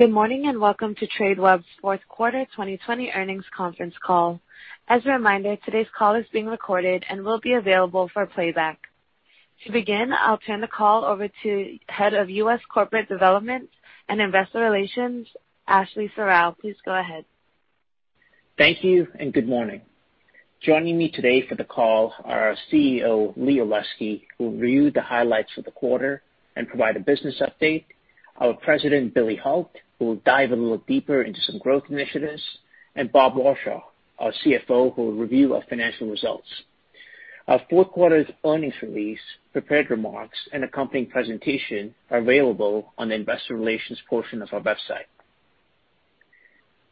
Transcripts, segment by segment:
Good morning, and welcome to Tradeweb's fourth quarter 2020 earnings conference call. As a reminder, today's call is being recorded and will be available for playback. To begin, I'll turn the call over to Head of U.S. Corporate Development and Investor Relations, Ashley Serrao. Please go ahead. Thank you, and good morning. Joining me today for the call are our CEO, Lee Olesky, who will review the highlights for the quarter and provide a business update. Our President, Billy Hult, who will dive a little deeper into some growth initiatives. Bob Warshaw, our CFO, who will review our financial results. Our fourth quarter's earnings release, prepared remarks, and accompanying presentation are available on the investor relations portion of our website.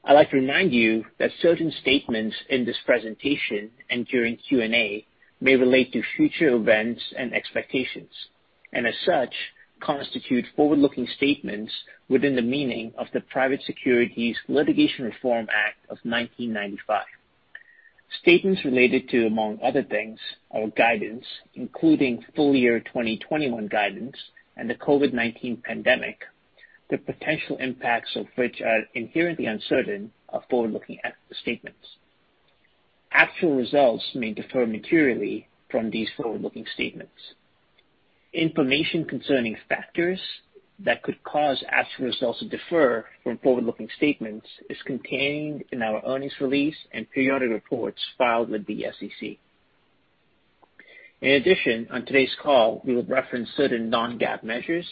I'd like to remind you that certain statements in this presentation and during Q&A may relate to future events and expectations, and as such, constitute forward-looking statements within the meaning of the Private Securities Litigation Reform Act of 1995. Statements related to, among other things, our guidance, including full year 2021 guidance and the COVID-19 pandemic, the potential impacts of which are inherently uncertain, are forward-looking statements. Actual results may differ materially from these forward-looking statements. Information concerning factors that could cause actual results to differ from forward-looking statements is contained in our earnings release and periodic reports filed with the SEC. In addition, on today's call, we will reference certain non-GAAP measures.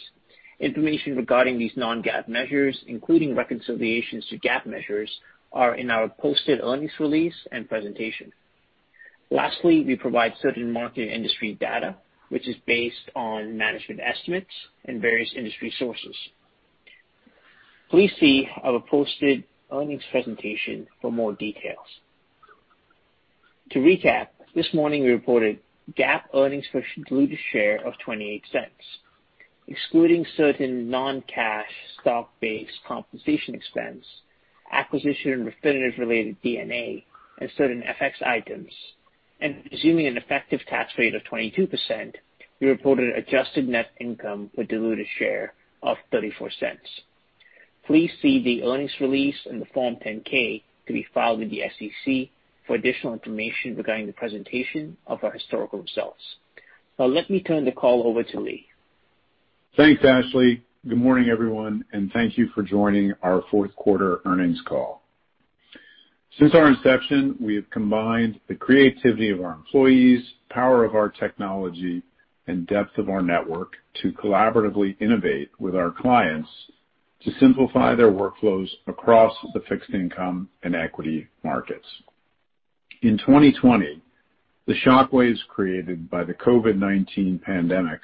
Information regarding these non-GAAP measures, including reconciliations to GAAP measures, are in our posted earnings release and presentation. Lastly, we provide certain market industry data, which is based on management estimates and various industry sources. Please see our posted earnings presentation for more details. To recap, this morning, we reported GAAP earnings per diluted share of $0.28. Excluding certain non-cash stock-based compensation expense, acquisition and Refinitiv-related D&A, and certain FX items, and assuming an effective tax rate of 22%, we reported adjusted net income with diluted share of $0.34. Please see the earnings release and the Form 10-K to be filed with the SEC for additional information regarding the presentation of our historical results. Now, let me turn the call over to Lee. Thanks, Ashley. Good morning, everyone, thank you for joining our fourth quarter earnings call. Since our inception, we have combined the creativity of our employees, power of our technology, and depth of our network to collaboratively innovate with our clients to simplify their workflows across the fixed income and equity markets. In 2020, the shock waves created by the COVID-19 pandemic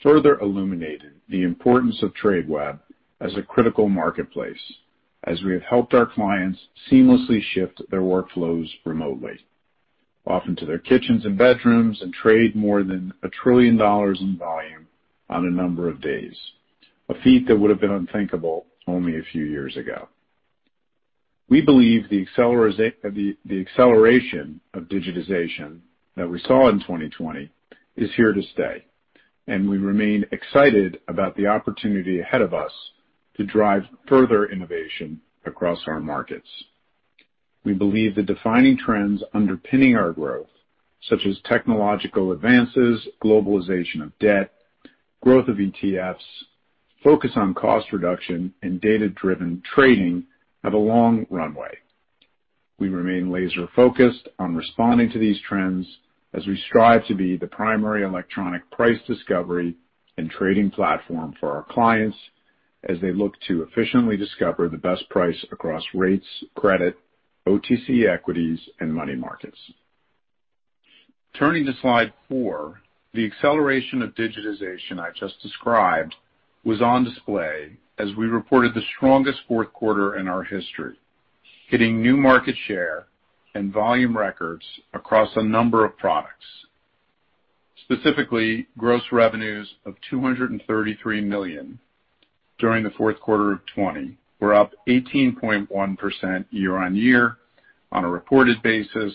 further illuminated the importance of Tradeweb as a critical marketplace, as we have helped our clients seamlessly shift their workflows remotely, often to their kitchens and bedrooms, and trade more than $1 trillion in volume on a number of days, a feat that would've been unthinkable only a few years ago. We believe the acceleration of digitization that we saw in 2020 is here to stay, and we remain excited about the opportunity ahead of us to drive further innovation across our markets. We believe the defining trends underpinning our growth, such as technological advances, globalization of debt, growth of ETFs, focus on cost reduction, and data-driven trading, have a long runway. We remain laser-focused on responding to these trends as we strive to be the primary electronic price discovery and trading platform for our clients as they look to efficiently discover the best price across rates, credit, OTC equities, and money markets. Turning to slide four, the acceleration of digitization I just described was on display as we reported the strongest fourth quarter in our history, hitting new market share and volume records across a number of products. Specifically, gross revenues of $233 million during the fourth quarter of 2020 were up 18.1% year-on-year on a reported basis,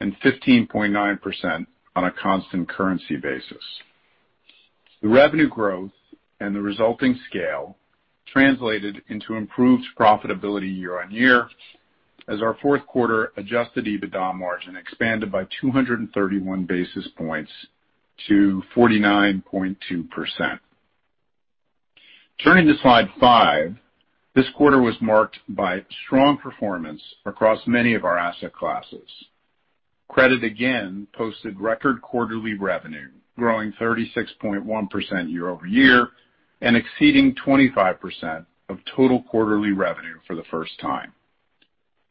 and 15.9% on a constant currency basis. The revenue growth and the resulting scale translated into improved profitability year-on-year as our fourth quarter adjusted EBITDA margin expanded by 231 basis points to 49.2%. Turning to slide five, this quarter was marked by strong performance across many of our asset classes. Credit, again, posted record quarterly revenue, growing 36.1% year-over-year and exceeding 25% of total quarterly revenue for the first time,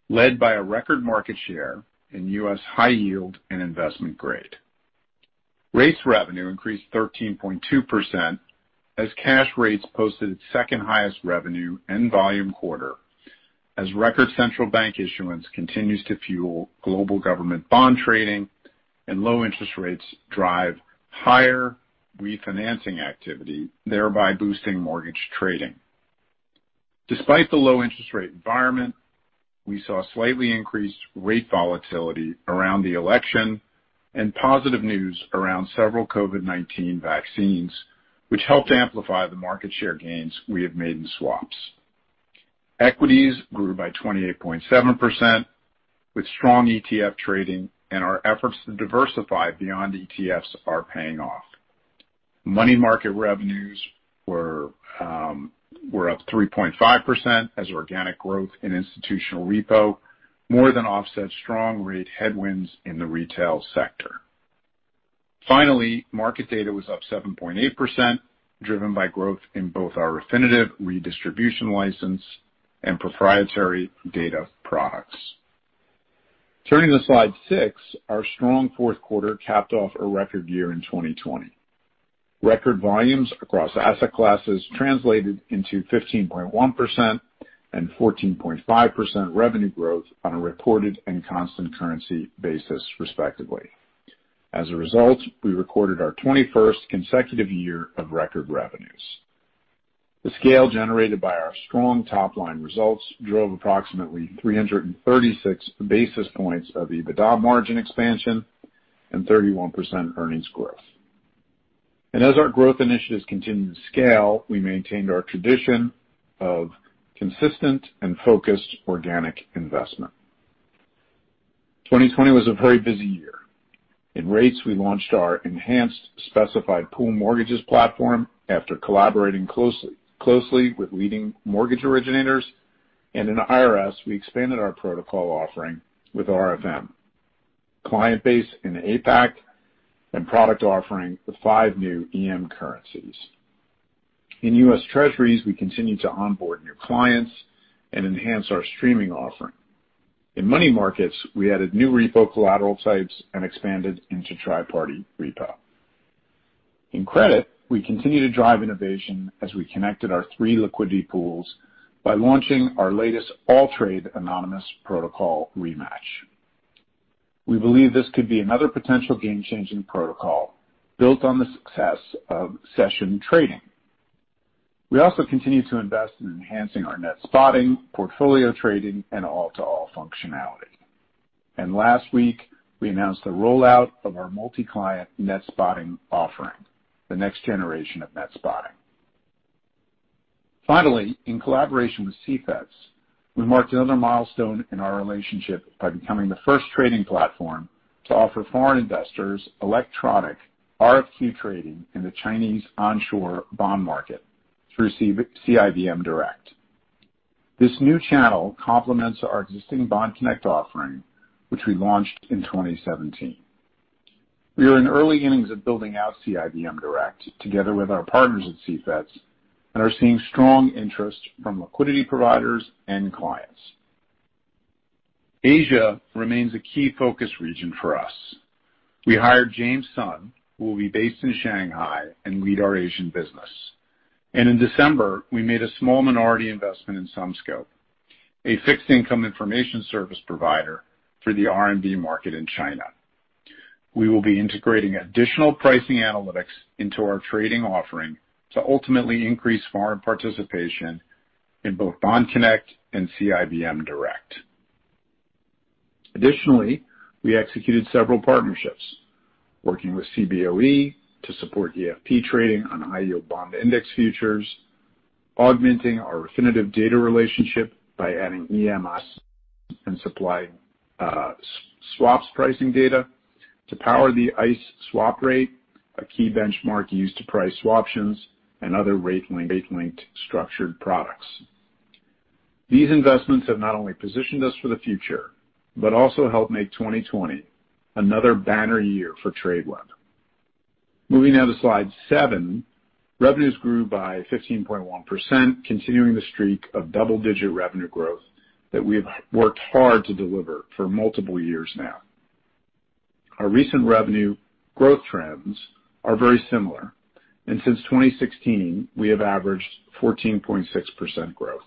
led by a record market share in U.S. high yield and investment grade. Rates revenue increased 13.2% as cash rates posted its second-highest revenue and volume quarter, as record central bank issuance continues to fuel global government bond trading and low interest rates drive higher refinancing activity, thereby boosting mortgage trading. Despite the low interest rate environment. We saw slightly increased rate volatility around the election and positive news around several COVID-19 vaccines, which helped amplify the market share gains we have made in swaps. Equities grew by 28.7% with strong ETF trading. Our efforts to diversify beyond ETFs are paying off. Money market revenues were up 3.5% as organic growth in institutional repo more than offset strong rate headwinds in the retail sector. Finally, market data was up 7.8%, driven by growth in both our Refinitiv redistribution license and proprietary data products. Turning to slide six, our strong fourth quarter capped off a record year in 2020. Record volumes across asset classes translated into 15.1% and 14.5% revenue growth on a reported and constant currency basis, respectively. As a result, we recorded our 21st consecutive year of record revenues. The scale generated by our strong top-line results drove approximately 336 basis points of EBITDA margin expansion and 31% earnings growth. As our growth initiatives continue to scale, we maintained our tradition of consistent and focused organic investment. 2020 was a very busy year. In Rates, we launched our enhanced specified pool mortgages platform after collaborating closely with leading mortgage originators, and in IRS, we expanded our protocol offering with RFM. Client base in APAC and product offering with five new EM currencies. In U.S. Treasuries, we continue to onboard new clients and enhance our streaming offer. In Money Markets, we added new repo collateral types and expanded into tri-party repo. In Credit, we continue to drive innovation as we connected our three liquidity pools by launching our latest AllTrade anonymous protocol Rematch. We believe this could be another potential game-changing protocol built on the success of session trading. We also continue to invest in enhancing our net spotting, portfolio trading, and all-to-all functionality. Last week, we announced the rollout of our multi-client net spotting offering, the next generation of net spotting. Finally, in collaboration with CFETS, we marked another milestone in our relationship by becoming the first trading platform to offer foreign investors electronic RFQ trading in the Chinese onshore bond market through CIBM Direct. This new channel complements our existing Bond Connect offering, which we launched in 2017. We are in the early innings of building out CIBM Direct together with our partners at CFETS and are seeing strong interest from liquidity providers and clients. Asia remains a key focus region for us. We hired James Sun, who will be based in Shanghai and lead our Asian business. In December, we made a small minority investment in Sumscope, a fixed income information service provider for the RMB market in China. We will be integrating additional pricing analytics into our trading offering to ultimately increase foreign participation in both Bond Connect and CIBM Direct. Additionally, we executed several partnerships, working with Cboe to support EFP trading on high-yield bond index futures, augmenting our Refinitiv data relationship by adding EMS and supplying swaps pricing data to power the ICE Swap Rate, a key benchmark used to price options and other rate-linked structured products. These investments have not only positioned us for the future, but also helped make 2020 another banner year for Tradeweb. Moving now to slide seven, revenues grew by 15.1%, continuing the streak of double-digit revenue growth that we have worked hard to deliver for multiple years now. Our recent revenue growth trends are very similar. Since 2016, we have averaged 14.6% growth.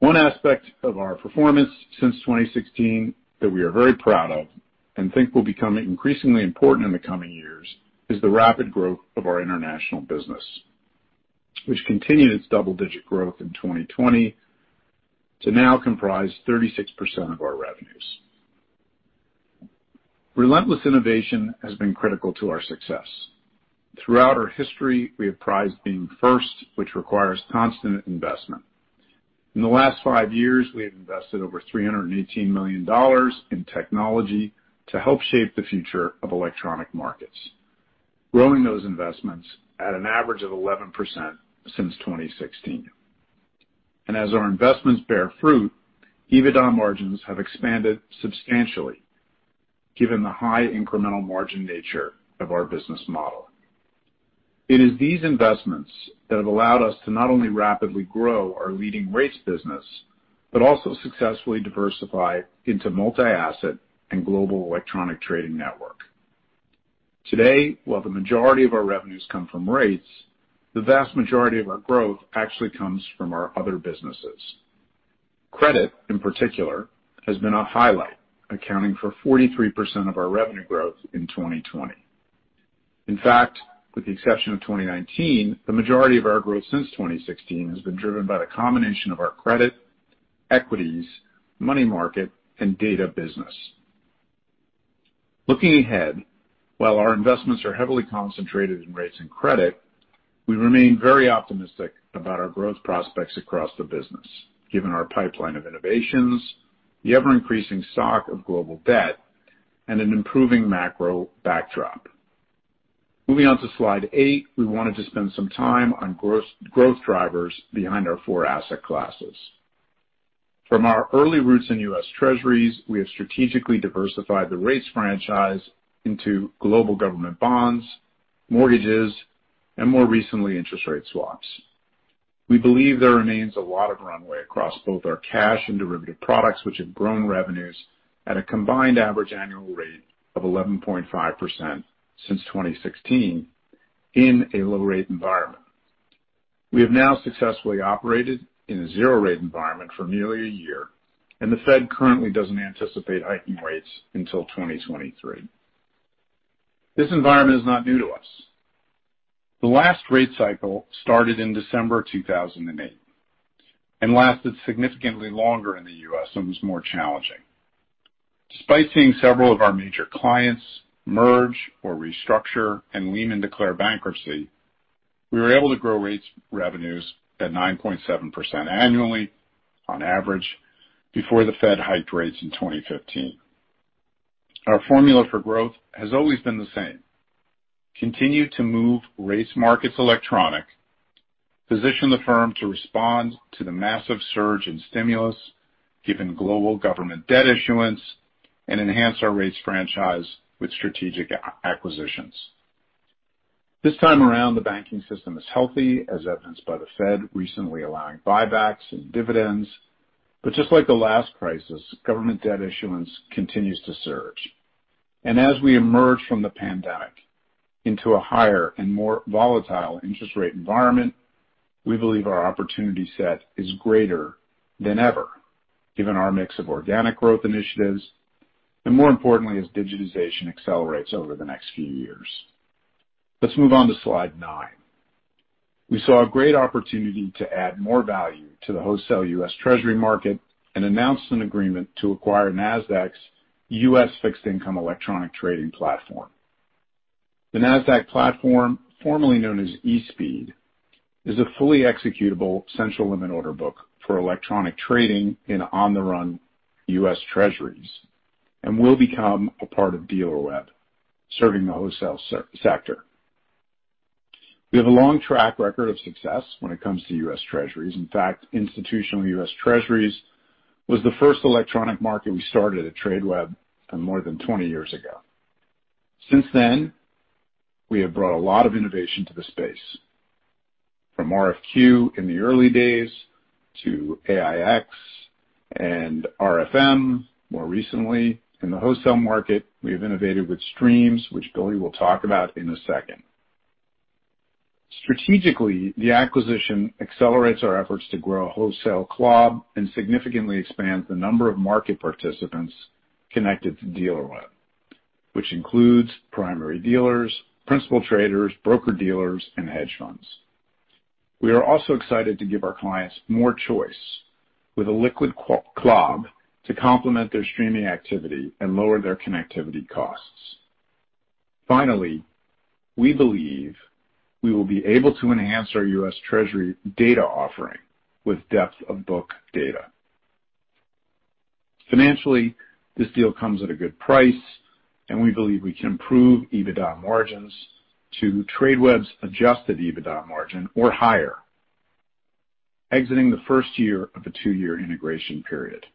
One aspect of our performance since 2016 that we are very proud of and think will become increasingly important in the coming years, is the rapid growth of our international business, which continued its double-digit growth in 2020 to now comprise 36% of our revenues. Relentless innovation has been critical to our success. Throughout our history, we have prized being first, which requires constant investment. In the last five years, we have invested over $318 million in technology to help shape the future of electronic markets, growing those investments at an average of 11% since 2016. As our investments bear fruit, EBITDA margins have expanded substantially given the high incremental margin nature of our business model. It is these investments that have allowed us to not only rapidly grow our leading rates business, but also successfully diversify into multi-asset and global electronic trading network. Today, while the majority of our revenues come from Rates, the vast majority of our growth actually comes from our other businesses. Credit, in particular, has been a highlight, accounting for 43% of our revenue growth in 2020. In fact, with the exception of 2019, the majority of our growth since 2016 has been driven by the combination of our Credit, Equities, Money Market, and Data business. Looking ahead, while our investments are heavily concentrated in Rates and Credit, we remain very optimistic about our growth prospects across the business, given our pipeline of innovations, the ever-increasing stock of global debt, and an improving macro backdrop. Moving on to slide eight, we wanted to spend some time on growth drivers behind our four asset classes. From our early roots in U.S. Treasuries, we have strategically diversified the rates franchise into global government bonds, mortgages, and more recently, interest rate swaps. We believe there remains a lot of runway across both our cash and derivative products, which have grown revenues at a combined average annual rate of 11.5% since 2016 in a low rate environment. We have now successfully operated in a zero rate environment for nearly a year, and the Fed currently doesn't anticipate hiking rates until 2023. This environment is not new to us. The last rate cycle started in December 2008 and lasted significantly longer in the U.S. and was more challenging. Despite seeing several of our major clients merge or restructure and Lehman declare bankruptcy, we were able to grow rates revenues at 9.7% annually on average before the Fed hiked rates in 2015. Our formula for growth has always been the same. Continue to move rates markets electronic, position the firm to respond to the massive surge in stimulus, given global government debt issuance, and enhance our rates franchise with strategic acquisitions. This time around, the banking system is healthy, as evidenced by the Fed recently allowing buybacks and dividends. Just like the last crisis, government debt issuance continues to surge. As we emerge from the pandemic into a higher and more volatile interest rate environment, we believe our opportunity set is greater than ever, given our mix of organic growth initiatives, and more importantly, as digitization accelerates over the next few years. Let's move on to slide nine. We saw a great opportunity to add more value to the wholesale U.S. Treasury market and announced an agreement to acquire Nasdaq's U.S. fixed-income electronic trading platform. The Nasdaq platform, formerly known as eSpeed, is a fully executable central limit order book for electronic trading in on-the-run U.S. Treasuries and will become a part of Dealerweb, serving the wholesale sector. We have a long track record of success when it comes to U.S. Treasuries. In fact, institutional U.S. Treasuries was the first electronic market we started at Tradeweb more than 20 years ago. Since then, we have brought a lot of innovation to the space, from RFQ in the early days to AiEX and RFM more recently. In the wholesale market, we have innovated with streams, which Billy will talk about in a second. Strategically, the acquisition accelerates our efforts to grow a wholesale CLOB and significantly expands the number of market participants connected to Dealerweb, which includes primary dealers, principal traders, broker-dealers, and hedge funds. We are also excited to give our clients more choice with a liquid CLOB to complement their streaming activity and lower their connectivity costs. Finally, we believe we will be able to enhance our U.S. Treasury data offering with depth of book data. Financially, this deal comes at a good price, and we believe we can improve EBITDA margins to Tradeweb's adjusted EBITDA margin or higher, exiting the first year of a two-year integration period.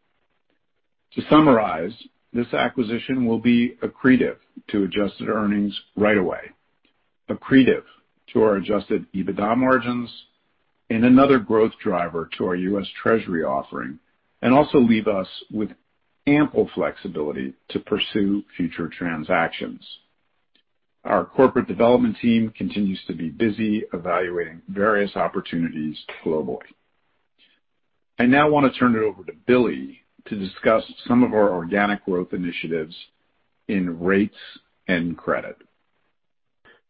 To summarize, this acquisition will be accretive to adjusted earnings right away, accretive to our adjusted EBITDA margins, and another growth driver to our U.S. Treasury offering, and also leave us with ample flexibility to pursue future transactions. Our corporate development team continues to be busy evaluating various opportunities globally. I now want to turn it over to Billy to discuss some of our organic growth initiatives in rates and credit.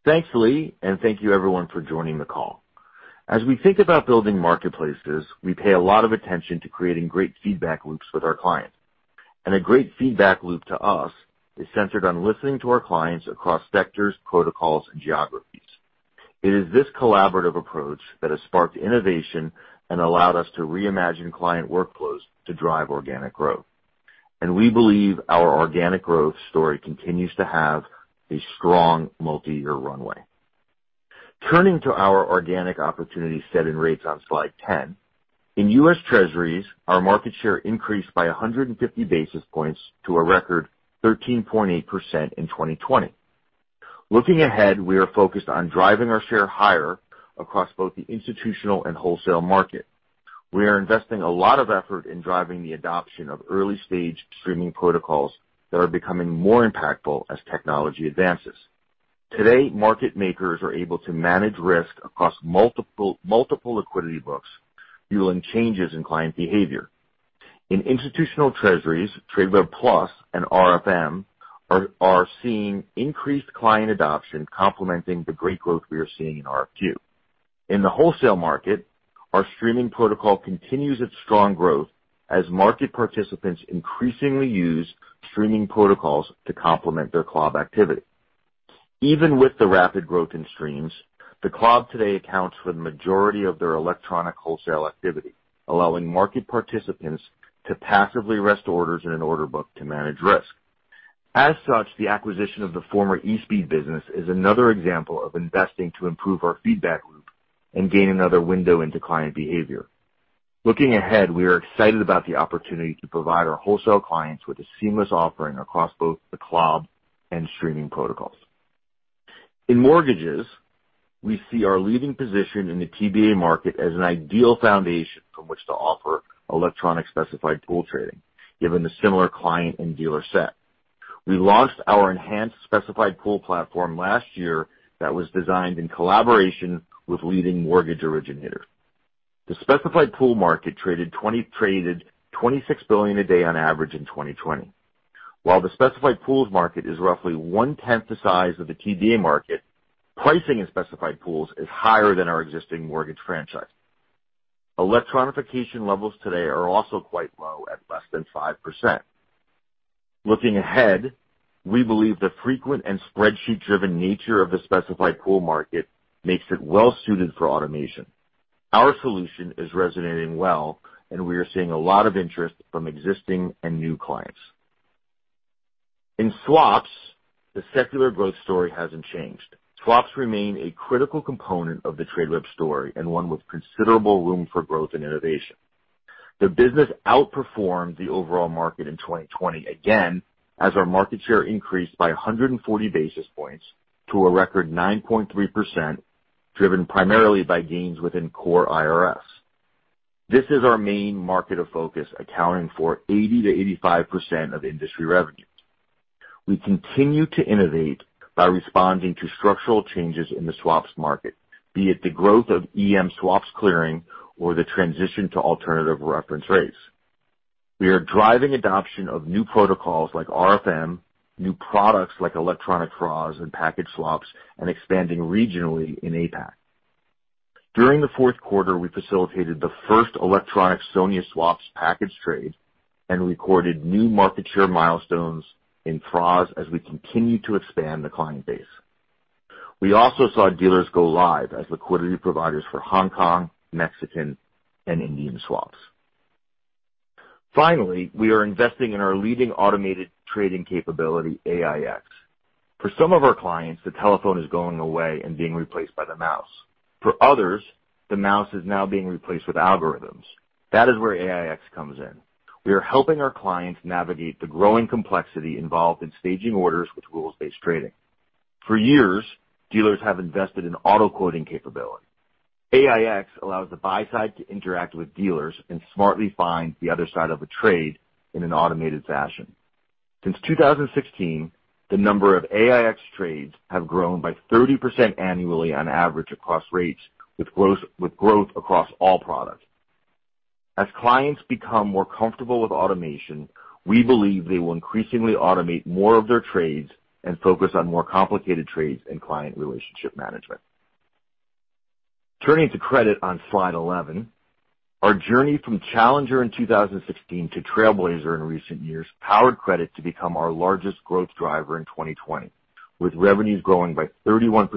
Thanks, Lee, and thank you everyone for joining the call. As we think about building marketplaces, we pay a lot of attention to creating great feedback loops with our clients. A great feedback loop to us is centered on listening to our clients across sectors, protocols, and geographies. It is this collaborative approach that has sparked innovation and allowed us to reimagine client workflows to drive organic growth. We believe our organic growth story continues to have a strong multi-year runway. Turning to our organic opportunity set and rates on slide 10. In U.S. Treasuries, our market share increased by 150 basis points to a record 13.8% in 2020. Looking ahead, we are focused on driving our share higher across both the institutional and wholesale market. We are investing a lot of effort in driving the adoption of early-stage streaming protocols that are becoming more impactful as technology advances. Today, market makers are able to manage risk across multiple liquidity books, fueling changes in client behavior. In institutional treasuries, Tradeweb PLUS and RFM are seeing increased client adoption complementing the great growth we are seeing in RFQ. In the wholesale market, our streaming protocol continues its strong growth as market participants increasingly use streaming protocols to complement their CLOB activity. Even with the rapid growth in streams, the CLOB today accounts for the majority of their electronic wholesale activity, allowing market participants to passively rest orders in an order book to manage risk. As such, the acquisition of the former eSpeed business is another example of investing to improve our feedback loop and gain another window into client behavior. Looking ahead, we are excited about the opportunity to provide our wholesale clients with a seamless offering across both the CLOB and streaming protocols. In mortgages, we see our leading position in the TBA market as an ideal foundation from which to offer electronic specified pool trading, given the similar client and dealer set. We launched our enhanced specified pool platform last year that was designed in collaboration with leading mortgage originators. The specified pool market traded $26 billion a day on average in 2020. While the specified pools market is roughly one-tenth the size of the TBA market, pricing in specified pools is higher than our existing mortgage franchise. Electronification levels today are also quite low at less than 5%. Looking ahead, we believe the frequent and spreadsheet-driven nature of the specified pool market makes it well-suited for automation. Our solution is resonating well. We are seeing a lot of interest from existing and new clients. In swaps, the secular growth story hasn't changed. Swaps remain a critical component of the Tradeweb story and one with considerable room for growth and innovation. The business outperformed the overall market in 2020 again, as our market share increased by 140 basis points to a record 9.3%, driven primarily by gains within core IRS. This is our main market of focus, accounting for 80%-85% of industry revenue. We continue to innovate by responding to structural changes in the swaps market, be it the growth of EM swaps clearing or the transition to alternative reference rates. We are driving adoption of new protocols like RFM, new products like electronic FRAs and package swaps, and expanding regionally in APAC. During the fourth quarter, we facilitated the first electronic SONIA swaps package trade and recorded new market share milestones in FRAs as we continue to expand the client base. We also saw dealers go live as liquidity providers for Hong Kong, Mexican, and Indian swaps. We are investing in our leading automated trading capability, AiEX. For some of our clients, the telephone is going away and being replaced by the mouse. For others, the mouse is now being replaced with algorithms. That is where AiEX comes in. We are helping our clients navigate the growing complexity involved in staging orders with rules-based trading. For years, dealers have invested in auto-quoting capability. AiEX allows the buy side to interact with dealers and smartly find the other side of a trade in an automated fashion. Since 2016, the number of AiEX trades have grown by 30% annually on average across rates with growth across all products. As clients become more comfortable with automation, we believe they will increasingly automate more of their trades and focus on more complicated trades and client relationship management. Turning to Credit on slide 11. Our journey from challenger in 2016 to trailblazer in recent years powered Credit to become our largest growth driver in 2020, with revenues growing by 31%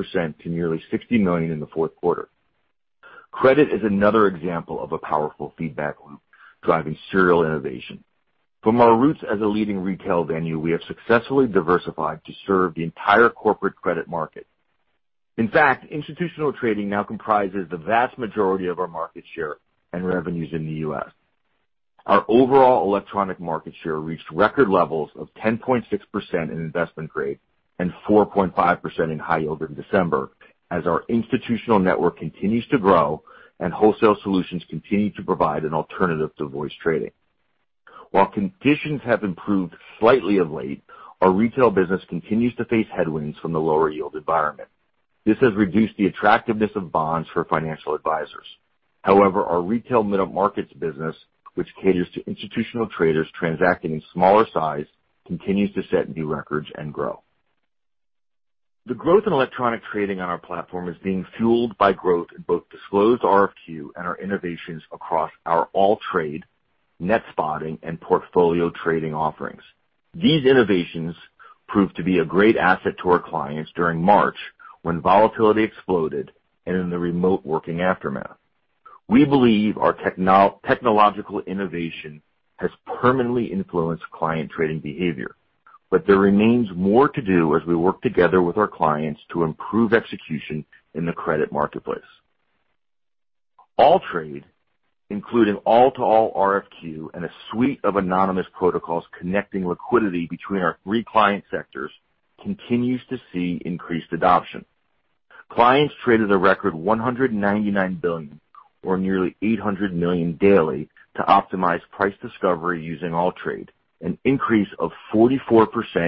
to nearly $60 million in the fourth quarter. Credit is another example of a powerful feedback loop driving serial innovation. From our roots as a leading retail venue, we have successfully diversified to serve the entire corporate credit market. In fact, institutional trading now comprises the vast majority of our market share and revenues in the U.S. Our overall electronic market share reached record levels of 10.6% in investment grade and 4.5% in high yield in December as our institutional network continues to grow and wholesale solutions continue to provide an alternative to voice trading. While conditions have improved slightly of late, our retail business continues to face headwinds from the lower yield environment. This has reduced the attractiveness of bonds for financial advisors. However, our retail mid-markets business, which caters to institutional traders transacting in smaller size, continues to set new records and grow. The growth in electronic trading on our platform is being fueled by growth in both disclosed RFQ and our innovations across our AllTrade, net spotting, and portfolio trading offerings. These innovations proved to be a great asset to our clients during March, when volatility exploded and in the remote working aftermath. We believe our technological innovation has permanently influenced client trading behavior, but there remains more to do as we work together with our clients to improve execution in the credit marketplace. AllTrade, including all-to-all RFQ and a suite of anonymous protocols connecting liquidity between our three client sectors, continues to see increased adoption. Clients traded a record $199 billion, or nearly $800 million daily, to optimize price discovery using AllTrade, an increase of 44%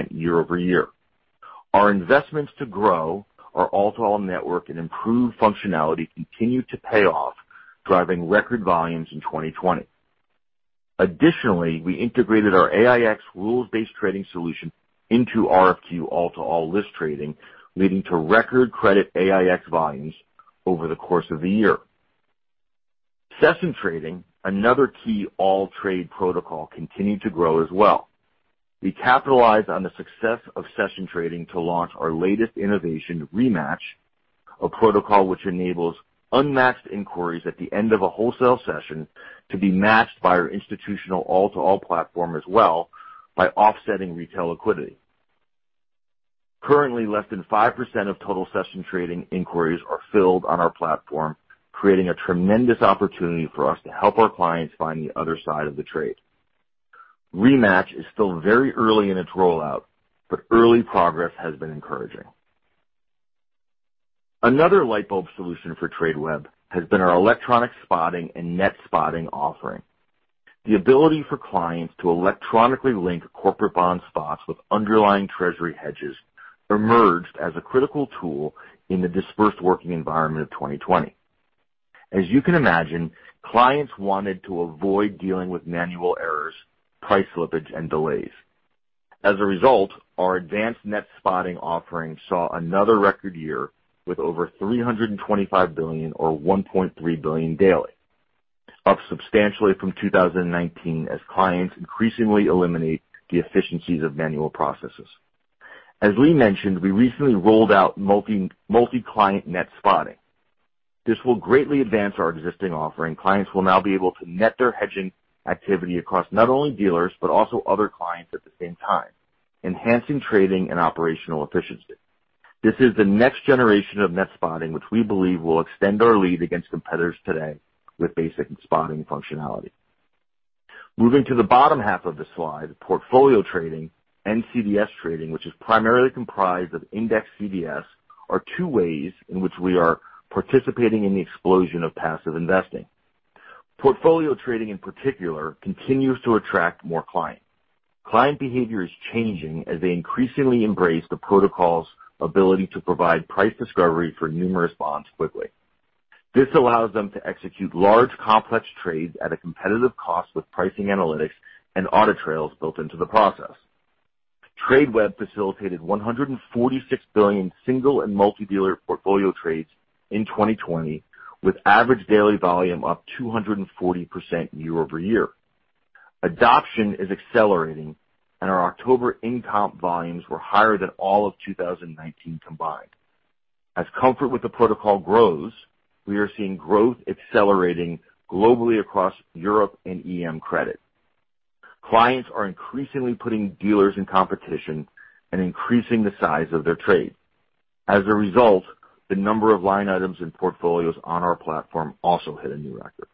year-over-year. Our investments to grow our all-to-all network and improve functionality continue to pay off, driving record volumes in 2020. Additionally, we integrated our AiEX rules-based trading solution into RFQ all-to-all list trading, leading to record credit AiEX volumes over the course of the year. Session trading, another key all-trade protocol, continued to grow as well. We capitalized on the success of session trading to launch our latest innovation, Rematch, a protocol which enables unmatched inquiries at the end of a wholesale session to be matched by our institutional all-to-all platform as well by offsetting retail liquidity. Currently, less than 5% of total session trading inquiries are filled on our platform, creating a tremendous opportunity for us to help our clients find the other side of the trade. Rematch is still very early in its rollout, but early progress has been encouraging. Another light bulb solution for Tradeweb has been our electronic spotting and net spotting offering. The ability for clients to electronically link corporate bond spots with underlying Treasury hedges emerged as a critical tool in the dispersed working environment of 2020. As you can imagine, clients wanted to avoid dealing with manual errors, price slippage, and delays. As a result, our advanced net spotting offering saw another record year with over $325 billion or $1.3 billion daily, up substantially from 2019 as clients increasingly eliminate the efficiencies of manual processes. As Lee mentioned, we recently rolled out multi-client net spotting. This will greatly advance our existing offering. Clients will now be able to net their hedging activity across not only dealers, but also other clients at the same time, enhancing trading and operational efficiency. This is the next generation of net spotting, which we believe will extend our lead against competitors today with basic spotting functionality. Moving to the bottom half of the slide, portfolio trading and CDS trading, which is primarily comprised of index CDS, are two ways in which we are participating in the explosion of passive investing. Portfolio trading in particular continues to attract more clients. Client behavior is changing as they increasingly embrace the protocol's ability to provide price discovery for numerous bonds quickly. This allows them to execute large, complex trades at a competitive cost with pricing analytics and audit trails built into the process. Tradeweb facilitated 146 billion single and multi-dealer portfolio trades in 2020, with average daily volume up 240% year-over-year. Adoption is accelerating, and our October in comp volumes were higher than all of 2019 combined. As comfort with the protocol grows, we are seeing growth accelerating globally across Europe and EM credit. Clients are increasingly putting dealers in competition and increasing the size of their trade. As a result, the number of line items and portfolios on our platform also hit a new record.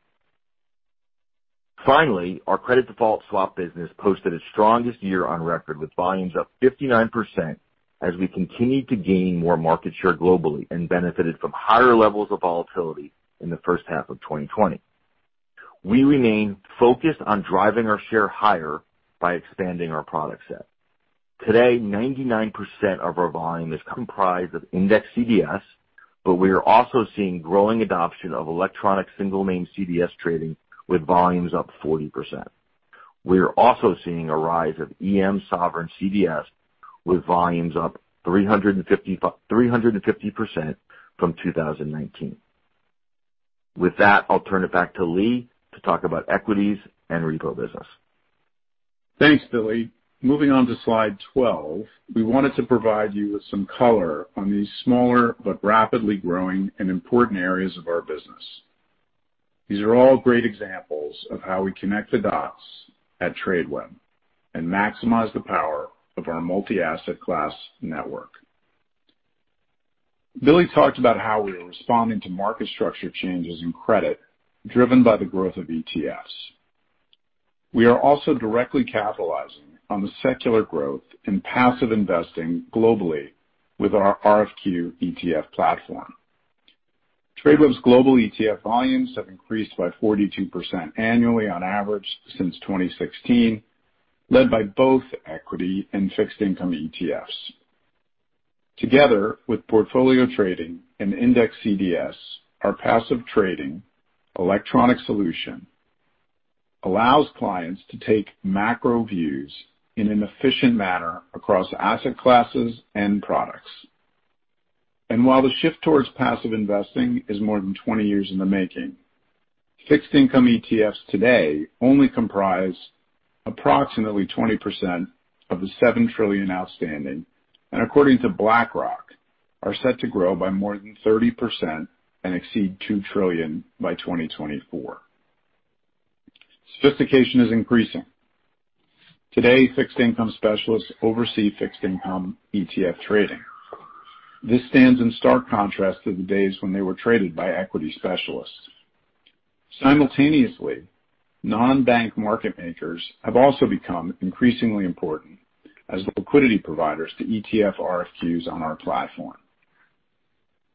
Our CDS business posted its strongest year on record, with volumes up 59% as we continued to gain more market share globally and benefited from higher levels of volatility in the first half of 2020. We remain focused on driving our share higher by expanding our product set. 99% of our volume is comprised of index CDS, but we are also seeing growing adoption of electronic single-name CDS trading with volumes up 40%. We are also seeing a rise of EM sovereign CDS with volumes up 350% from 2019. I'll turn it back to Lee to talk about equities and repo business. Thanks, Billy. Moving on to slide 12. We wanted to provide you with some color on these smaller but rapidly growing and important areas of our business. These are all great examples of how we connect the dots at Tradeweb and maximize the power of our multi-asset class network. Billy talked about how we are responding to market structure changes in Credit driven by the growth of ETFs. We are also directly capitalizing on the secular growth in passive investing globally with our RFQ ETF platform. Tradeweb's global ETF volumes have increased by 42% annually on average since 2016, led by both equity and fixed income ETFs. Together with portfolio trading and index CDS, our passive trading electronic solution allows clients to take macro views in an efficient manner across asset classes and products. While the shift towards passive investing is more than 20 years in the making, fixed income ETFs today only comprise approximately 20% of the $7 trillion outstanding, according to BlackRock, are set to grow by more than 30% and exceed $2 trillion by 2024. Sophistication is increasing. Today, fixed income specialists oversee fixed income ETF trading. This stands in stark contrast to the days when they were traded by equity specialists. Simultaneously, non-bank market makers have also become increasingly important as the liquidity providers to ETF RFQs on our platform.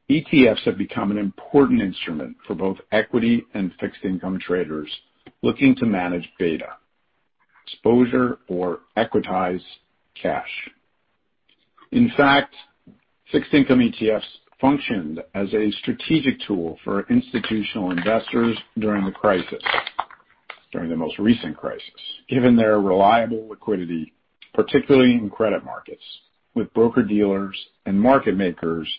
ETFs have become an important instrument for both equity and fixed income traders looking to manage beta, exposure, or equitize cash. In fact, fixed income ETFs functioned as a strategic tool for institutional investors during the most recent crisis, given their reliable liquidity, particularly in credit markets, with broker-dealers and market makers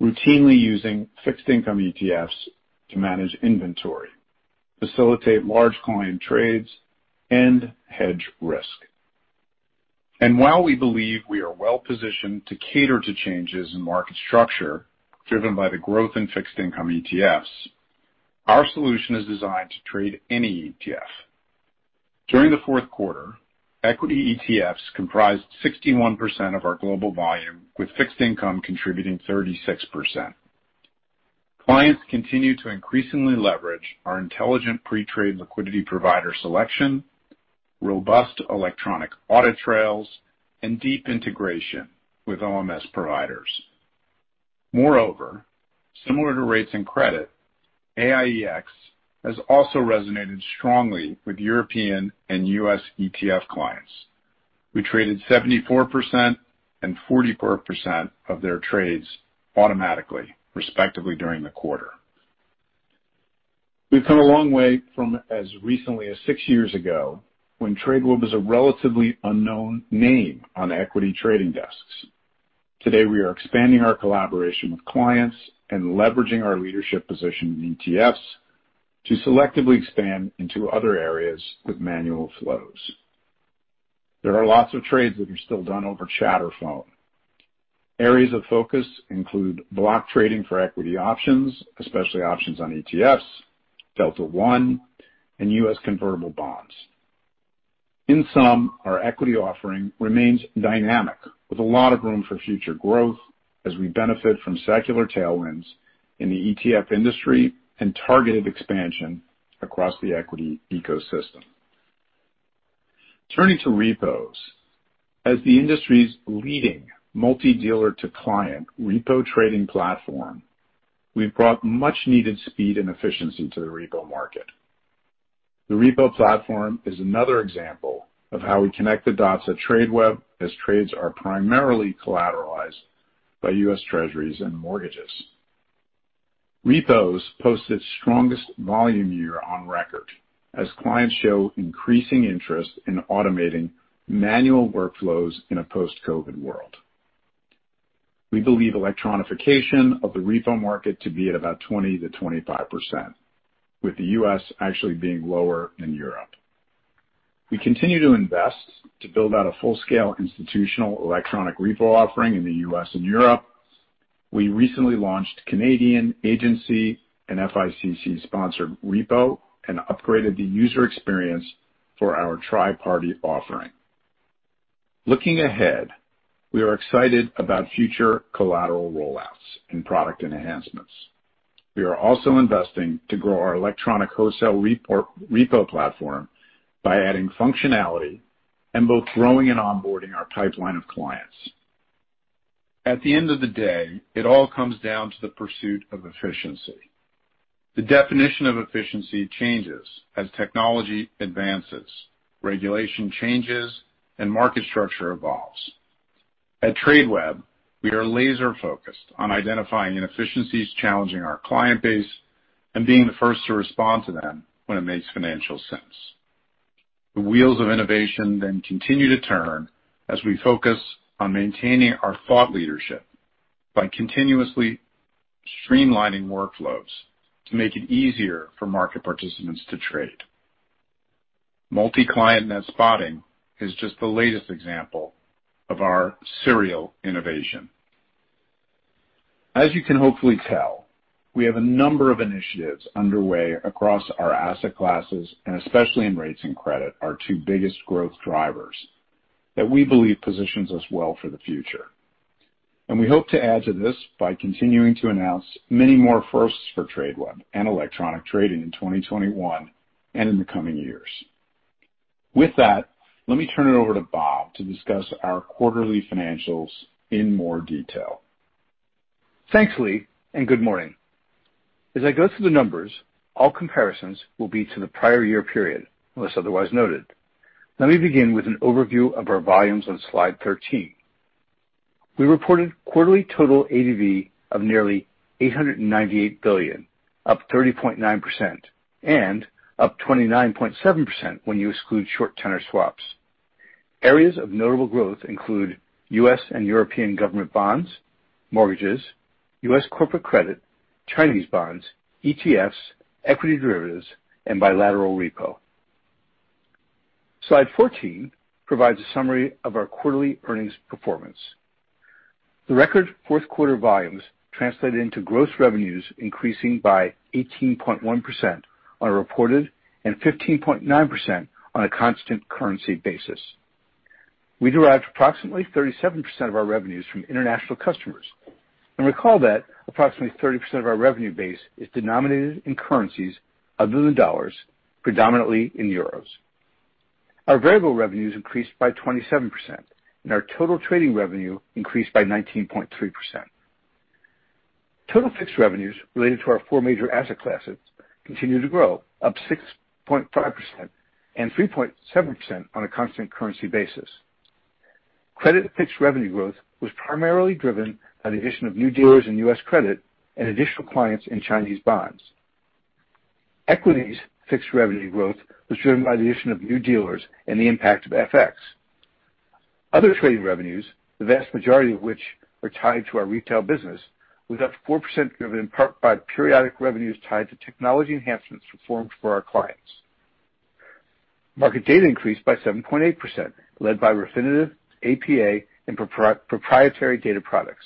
routinely using fixed income ETFs to manage inventory, facilitate large client trades, and hedge risk. While we believe we are well-positioned to cater to changes in market structure driven by the growth in fixed income ETFs, our solution is designed to trade any ETF. During the fourth quarter, equity ETFs comprised 61% of our global volume, with fixed income contributing 36%. Clients continue to increasingly leverage our intelligent pre-trade liquidity provider selection, robust electronic audit trails, and deep integration with OMS providers. Similar to Rates and Credit, AiEX has also resonated strongly with European and U.S. ETF clients. We traded 74% and 44% of their trades automatically, respectively, during the quarter. We've come a long way from as recently as six years ago, when Tradeweb was a relatively unknown name on equity trading desks. Today, we are expanding our collaboration with clients and leveraging our leadership position in ETFs to selectively expand into other areas with manual flows. There are lots of trades that are still done over chat or phone. Areas of focus include block trading for equity options, especially options on ETFs, delta one, and U.S. convertible bonds. In Sum, our equity offering remains dynamic with a lot of room for future growth as we benefit from secular tailwinds in the ETF industry and targeted expansion across the equity ecosystem. Turning to repos. As the industry's leading multi-dealer to client repo trading platform, we've brought much needed speed and efficiency to the repo market. The repo platform is another example of how we connect the dots at Tradeweb, as trades are primarily collateralized by U.S. Treasuries and mortgages. Repos posted strongest volume year on record as clients show increasing interest in automating manual workflows in a post-COVID-19 world. We believe electronification of the repo market to be at about 20%-25%, with the U.S. actually being lower than Europe. We continue to invest to build out a full-scale institutional electronic repo offering in the U.S. and Europe. We recently launched Canadian Agency, an FICC-sponsored repo, and upgraded the user experience for our tri-party offering. Looking ahead, we are excited about future collateral rollouts and product enhancements. We are also investing to grow our electronic wholesale repo platform by adding functionality and both growing and onboarding our pipeline of clients. At the end of the day, it all comes down to the pursuit of efficiency. The definition of efficiency changes as technology advances, regulation changes, and market structure evolves. At Tradeweb, we are laser-focused on identifying inefficiencies challenging our client base and being the first to respond to them when it makes financial sense. The wheels of innovation then continue to turn as we focus on maintaining our thought leadership by continuously streamlining workflows to make it easier for market participants to trade. Multi-client net spotting is just the latest example of our serial innovation. As you can hopefully tell, we have a number of initiatives underway across our asset classes, and especially in rates and credit, our two biggest growth drivers, that we believe positions us well for the future. We hope to add to this by continuing to announce many more firsts for Tradeweb and electronic trading in 2021 and in the coming years. With that, let me turn it over to Bob to discuss our quarterly financials in more detail. Thanks, Lee, and good morning. As I go through the numbers, all comparisons will be to the prior year period, unless otherwise noted. Let me begin with an overview of our volumes on slide 13. We reported quarterly total ADV of nearly $898 billion, up 30.9%, and up 29.7% when you exclude short tenor swaps. Areas of notable growth include U.S. and European government bonds, mortgages, U.S. corporate credit, Chinese bonds, ETFs, equity derivatives, and bilateral repo. Slide 14 provides a summary of our quarterly earnings performance. The record fourth quarter volumes translated into gross revenues increasing by 18.1% on a reported, and 15.9% on a constant currency basis. We derived approximately 37% of our revenues from international customers. Recall that approximately 30% of our revenue base is denominated in currencies other than dollars, predominantly in euros. Our variable revenues increased by 27%, and our total trading revenue increased by 19.3%. Total fixed revenues related to our four major asset classes continue to grow, up 6.5% and 3.7% on a constant currency basis. Credit fixed revenue growth was primarily driven by the addition of new dealers in U.S. credit and additional clients in Chinese bonds. Equities fixed revenue growth was driven by the addition of new dealers and the impact of FX. Other trading revenues, the vast majority of which are tied to our retail business, was up 4% driven in part by periodic revenues tied to technology enhancements performed for our clients. Market data increased by 7.8%, led by Refinitiv, APA, and proprietary data products.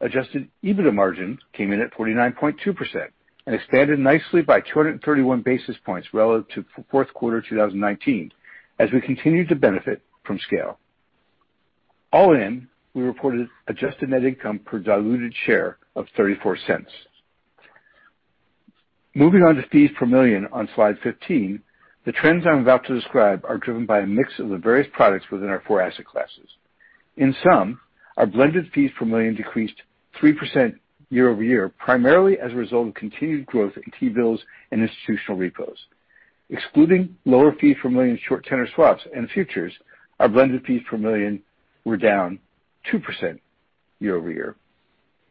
Adjusted EBITDA margin came in at 49.2% and expanded nicely by 231 basis points relative to fourth quarter 2019 as we continued to benefit from scale. All in, we reported adjusted net income per diluted share of $0.34. Moving on to fees per million on slide 15, the trends I'm about to describe are driven by a mix of the various products within our four asset classes. In sum, our blended fees per million decreased 3% year-over-year, primarily as a result of continued growth in T-bills and institutional repos. Excluding lower fees per million short tenor swaps and futures, our blended fees per million were down 2% year-over-year.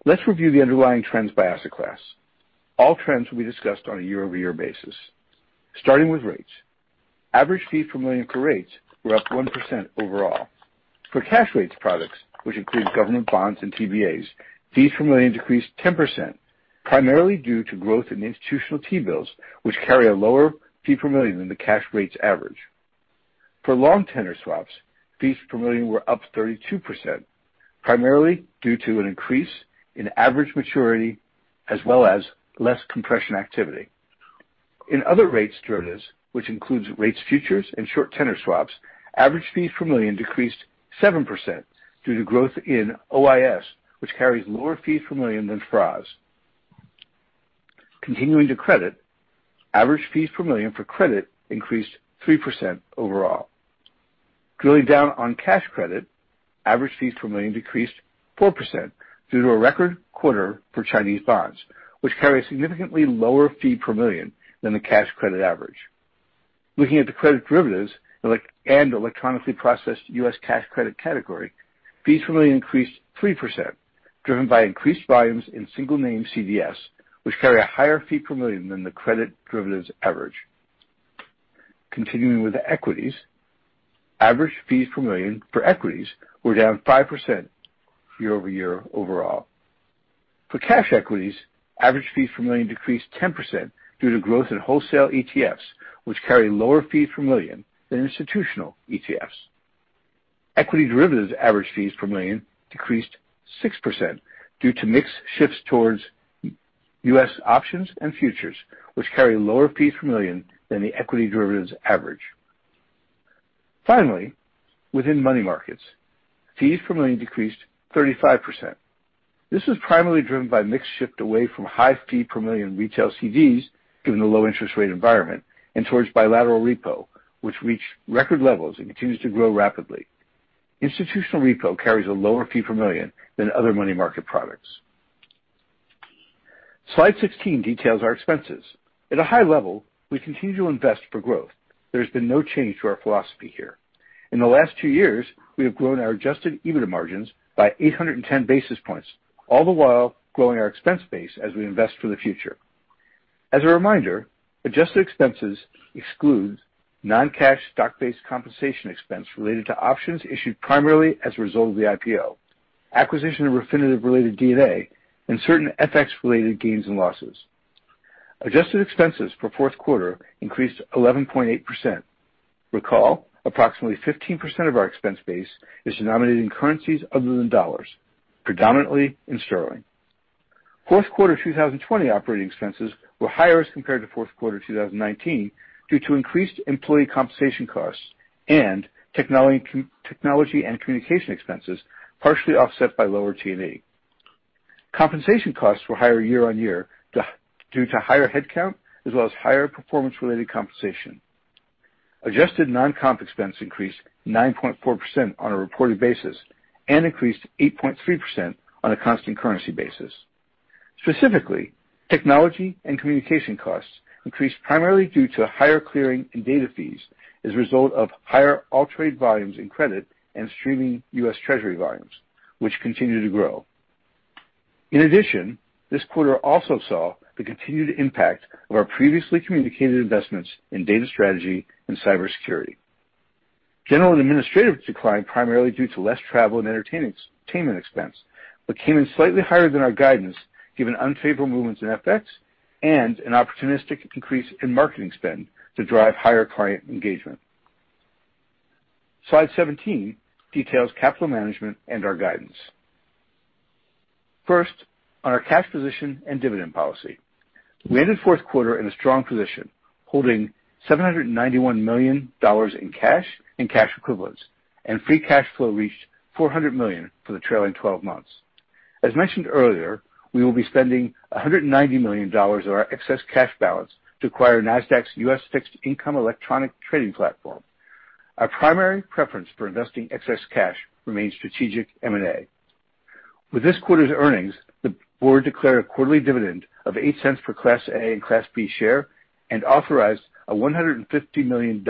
Let's review the underlying trends by asset class. All trends will be discussed on a year-over-year basis. Starting with Rates. Average fee per million for rates were up 1% overall. For cash rates products, which includes government bonds and TBAs, fees per million decreased 10%, primarily due to growth in institutional T-bills, which carry a lower fee per million than the cash rates average. For long tenor swaps, fees per million were up 32%, primarily due to an increase in average maturity, as well as less compression activity. In other rates derivatives, which includes rates futures and short tenor swaps, average fees per million decreased 7% due to growth in OIS, which carries lower fees per million than FRAs. Continuing to Credit, average fees per million for credit increased 3% overall. Drilling down on cash credit, average fees per million decreased 4% due to a record quarter for Chinese bonds, which carry a significantly lower fee per million than the cash credit average. Looking at the credit derivatives and electronically processed U.S. cash credit category, fees per million increased 3%, driven by increased volumes in single name CDS, which carry a higher fee per million than the credit derivatives average. Continuing with Equities, average fees per million for equities were down 5% year-over-year overall. For cash equities, average fees per million decreased 10% due to growth in wholesale ETFs, which carry lower fees per million than institutional ETFs. Equity derivatives average fees per million decreased 6% due to mix shifts towards U.S. options and futures, which carry lower fees per million than the equity derivatives average. Finally, within Money Markets, fees per million decreased 35%. This was primarily driven by mix shift away from high fee per million retail CDs, given the low interest rate environment, and towards bilateral repo, which reached record levels and continues to grow rapidly. Institutional repo carries a lower fee per million than other money market products. Slide 16 details our expenses. At a high level, we continue to invest for growth. There's been no change to our philosophy here. In the last two years, we have grown our adjusted EBITDA margins by 810 basis points, all the while growing our expense base as we invest for the future. As a reminder, adjusted expenses exclude non-cash stock-based compensation expense related to options issued primarily as a result of the IPO, acquisition of Refinitiv-related D&A, and certain FX-related gains and losses. Adjusted expenses for fourth quarter increased 11.8%. Recall, approximately 15% of our expense base is denominated in currencies other than dollars, predominantly in sterling. Fourth quarter 2020 operating expenses were higher as compared to fourth quarter 2019 due to increased employee compensation costs and technology and communication expenses, partially offset by lower T&E. Compensation costs were higher year-on-year due to higher headcount as well as higher performance-related compensation. Adjusted non-comp expense increased 9.4% on a reported basis and increased 8.3% on a constant currency basis. Specifically, technology and communication costs increased primarily due to higher clearing and data fees as a result of higher AllTrade volumes in credit and streaming U.S. Treasury volumes, which continue to grow. This quarter also saw the continued impact of our previously communicated investments in data strategy and cybersecurity. General and administrative declined primarily due to less travel and entertainment expense, but came in slightly higher than our guidance, given unfavorable movements in FX and an opportunistic increase in marketing spend to drive higher client engagement. Slide 17 details capital management and our guidance. First, on our cash position and dividend policy. We ended fourth quarter in a strong position, holding $791 million in cash and cash equivalents, and free cash flow reached $400 million for the trailing 12 months. As mentioned earlier, we will be spending $190 million of our excess cash balance to acquire Nasdaq's U.S. Fixed Income electronic trading platform. Our primary preference for investing excess cash remains strategic M&A. With this quarter's earnings, the board declared a quarterly dividend of $0.08 per Class A and Class B share and authorized a $150 million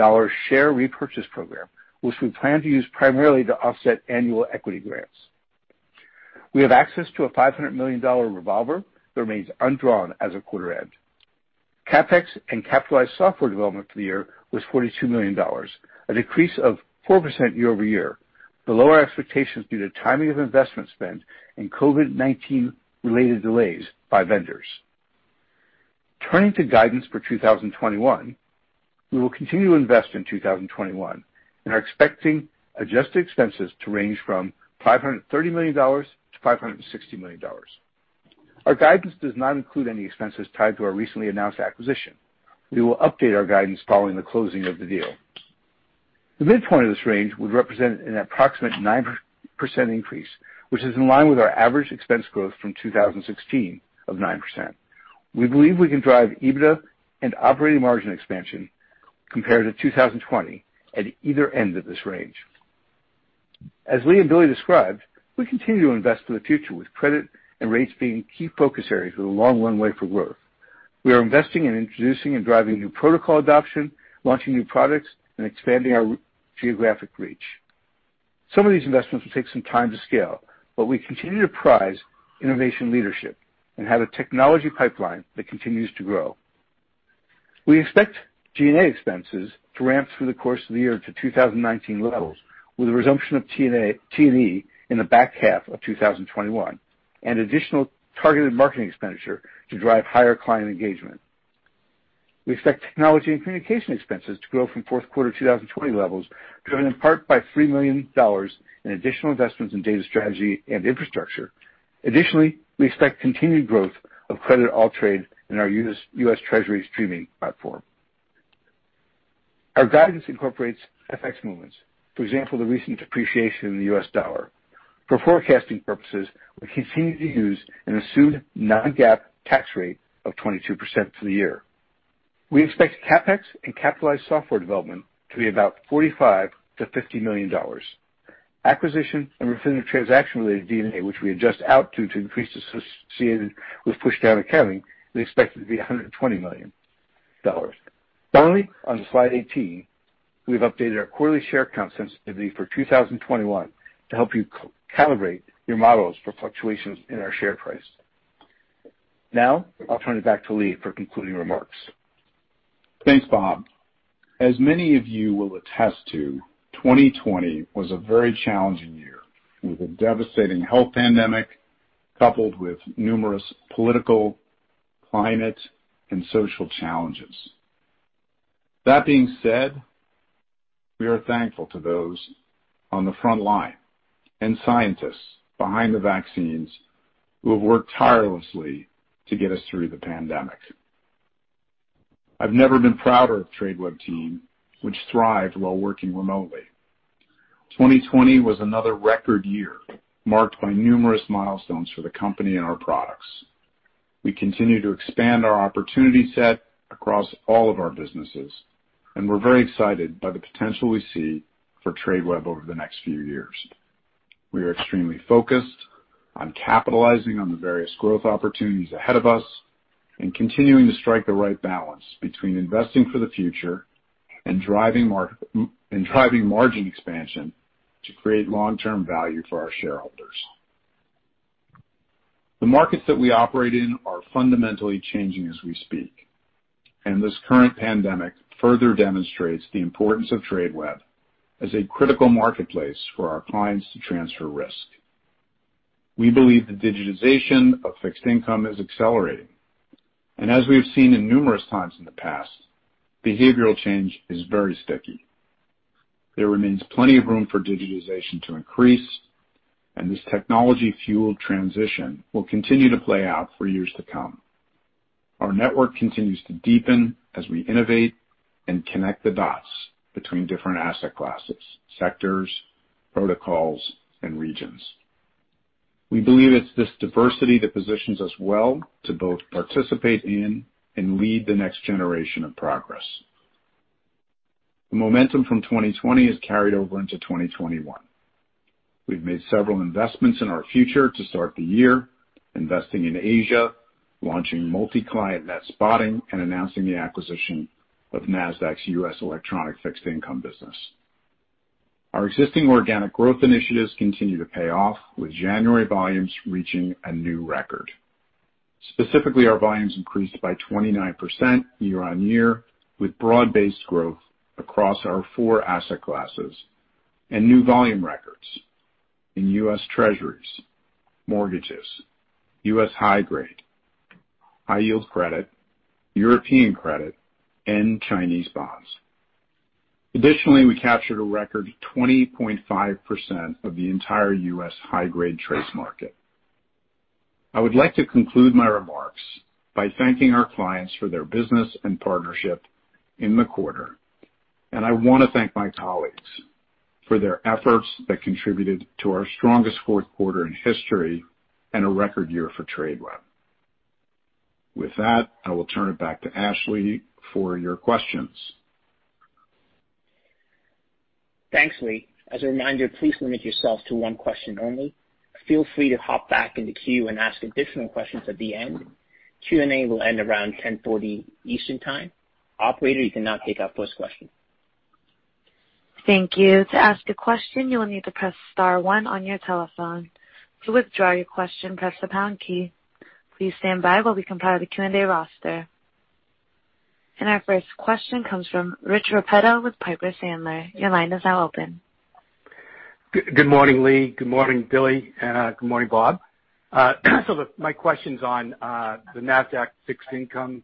share repurchase program, which we plan to use primarily to offset annual equity grants. We have access to a $500 million revolver that remains undrawn as of quarter end. CapEx and capitalized software development for the year was $42 million, a decrease of 4% year-over-year. Below our expectations due to timing of investment spend and COVID-19 related delays by vendors. Turning to guidance for 2021, we will continue to invest in 2021 and are expecting adjusted expenses to range from $530 million-$560 million. Our guidance does not include any expenses tied to our recently announced acquisition. We will update our guidance following the closing of the deal. The midpoint of this range would represent an approximate 9% increase, which is in line with our average expense growth from 2016 of 9%. We believe we can drive EBITDA and operating margin expansion compared to 2020 at either end of this range. As Lee and Billy described, we continue to invest for the future, with credit and rates being key focus areas with a long runway for growth. We are investing in introducing and driving new protocol adoption, launching new products, and expanding our geographic reach. Some of these investments will take some time to scale, but we continue to prize innovation leadership and have a technology pipeline that continues to grow. We expect G&A expenses to ramp through the course of the year to 2019 levels, with a resumption of T&E in the back half of 2021 and additional targeted marketing expenditure to drive higher client engagement. We expect technology and communication expenses to grow from fourth quarter 2020 levels, driven in part by $3 million in additional investments in data strategy and infrastructure. Additionally, we expect continued growth of credit AllTrade in our U.S. Treasury streaming platform. Our guidance incorporates FX movements, for example, the recent depreciation in the U.S. dollar. For forecasting purposes, we continue to use an assumed non-GAAP tax rate of 22% for the year. We expect CapEx and capitalized software development to be about $45 million-$50 million. Acquisition and Refinitiv transaction-related D&A, which we adjust out due to increases associated with pushdown accounting, we expect it to be $120 million. Finally, on slide 18, we've updated our quarterly share count sensitivity for 2021 to help you calibrate your models for fluctuations in our share price. Now, I'll turn it back to Lee for concluding remarks. Thanks, Bob. As many of you will attest to, 2020 was a very challenging year, with a devastating health pandemic, coupled with numerous political, climate, and social challenges. That being said, we are thankful to those on the front line and scientists behind the vaccines who have worked tirelessly to get us through the pandemic. I've never been prouder of Tradeweb team, which thrived while working remotely. 2020 was another record year, marked by numerous milestones for the company and our products. We continue to expand our opportunity set across all of our businesses, and we're very excited by the potential we see for Tradeweb over the next few years. We are extremely focused on capitalizing on the various growth opportunities ahead of us and continuing to strike the right balance between investing for the future and driving margin expansion to create long-term value for our shareholders. The markets that we operate in are fundamentally changing as we speak, and this current pandemic further demonstrates the importance of Tradeweb as a critical marketplace for our clients to transfer risk. We believe the digitization of fixed income is accelerating, and as we have seen in numerous times in the past, behavioral change is very sticky. There remains plenty of room for digitization to increase, and this technology-fueled transition will continue to play out for years to come. Our network continues to deepen as we innovate and connect the dots between different asset classes, sectors, protocols, and regions. We believe it's this diversity that positions us well to both participate in and lead the next generation of progress. The momentum from 2020 has carried over into 2021. We've made several investments in our future to start the year, investing in Asia, launching multi-client net spotting, and announcing the acquisition of Nasdaq's U.S. electronic fixed income business. Our existing organic growth initiatives continue to pay off, with January volumes reaching a new record. Specifically, our volumes increased by 29% year-on-year, with broad-based growth across our four asset classes and new volume records in U.S. Treasuries, mortgages, U.S. high grade, high yield credit, European credit, and Chinese bonds. Additionally, we captured a record 20.5% of the entire U.S. high-grade TRACE market. I would like to conclude my remarks by thanking our clients for their business and partnership in the quarter. I want to thank my colleagues for their efforts that contributed to our strongest fourth quarter in history and a record year for Tradeweb. With that, I will turn it back to Ashley for your questions. Thanks, Lee. As a reminder, please limit yourself to one question only. Feel free to hop back in the queue and ask additional questions at the end. Q&A will end around 10:40 A.M. Eastern Time. Operator, you can now take our first question. Thank you. To ask a question, you'll need to press star one on your telephone. To withdraw your question, press the pound key. Please stand by while we compile the Q&A roster. Our first question comes from Rich Repetto with Piper Sandler. Your line is now open. Good morning, Lee. Good morning, Billy. Good morning, Bob. My question's on the Nasdaq fixed income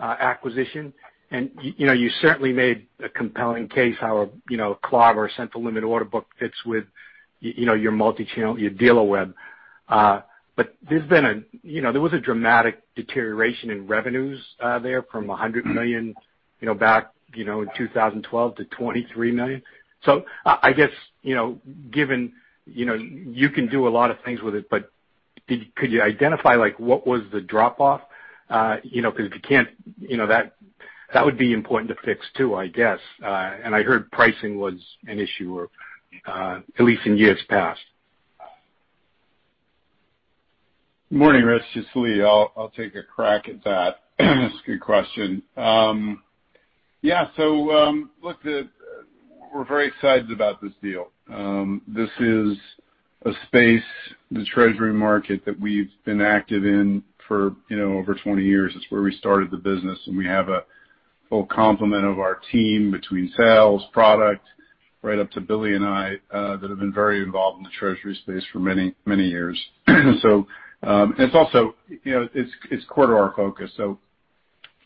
acquisition. You certainly made a compelling case how a CLOB or a central limit order book fits with your multi-channel, your Dealerweb. There was a dramatic deterioration in revenues there from $100 million back in 2012 to $23 million. I guess, you can do a lot of things with it, but could you identify what was the drop-off? If you can't, that would be important to fix too, I guess. I heard pricing was an issue, or, at least in years past. Morning, Rich. It's Lee. I'll take a crack at that. It's a good question. Yeah. Look, we're very excited about this deal. This is a space, the Treasury market, that we've been active in for over 20 years. It's where we started the business, and we have a full complement of our team between sales, product, right up to Billy and I, that have been very involved in the Treasury space for many, many years. It's also core to our focus.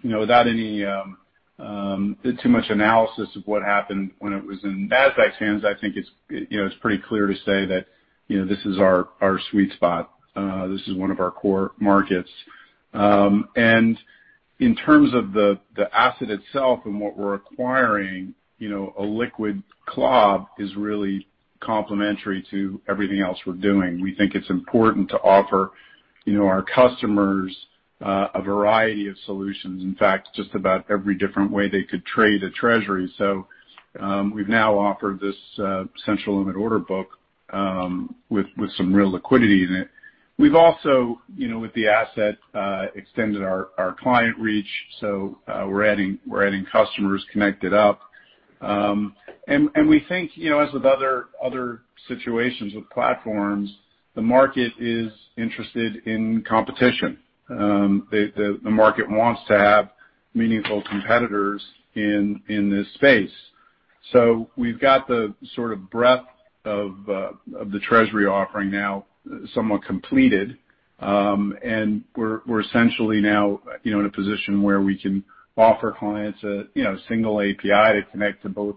Without any too much analysis of what happened when it was in Nasdaq's hands, I think it's pretty clear to say that this is our sweet spot. This is one of our core markets. In terms of the asset itself and what we're acquiring, a liquid CLOB is really complementary to everything else we're doing. We think it's important to offer our customers a variety of solutions, in fact, just about every different way they could trade a Treasury. We've now offered this central limit order book with some real liquidity in it. We've also, with the asset, extended our client reach. We're adding customers connected up. We think, as with other situations with platforms, the market is interested in competition. The market wants to have meaningful competitors in this space. We've got the sort of breadth of the Treasury offering now somewhat completed. We're essentially now in a position where we can offer clients a single API to connect to both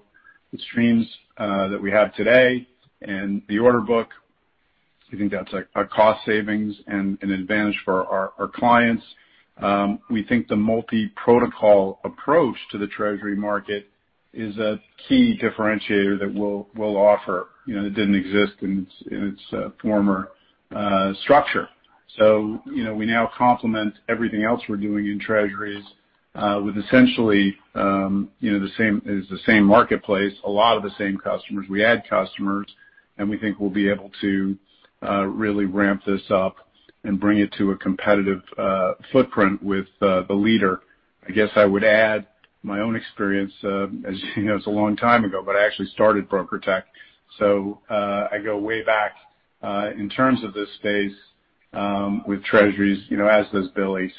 the streams that we have today and the order book. We think that's a cost savings and an advantage for our clients. We think the multi-protocol approach to the Treasury market is a key differentiator that we'll offer. It didn't exist in its former structure. We now complement everything else we're doing in Treasuries, with essentially the same marketplace, a lot of the same customers. We add customers, and we think we'll be able to really ramp this up and bring it to a competitive footprint with the leader. I guess I would add my own experience, as you know, it's a long time ago, but I actually started BrokerTec, so I go way back, in terms of this space, with Treasuries, as does Billy.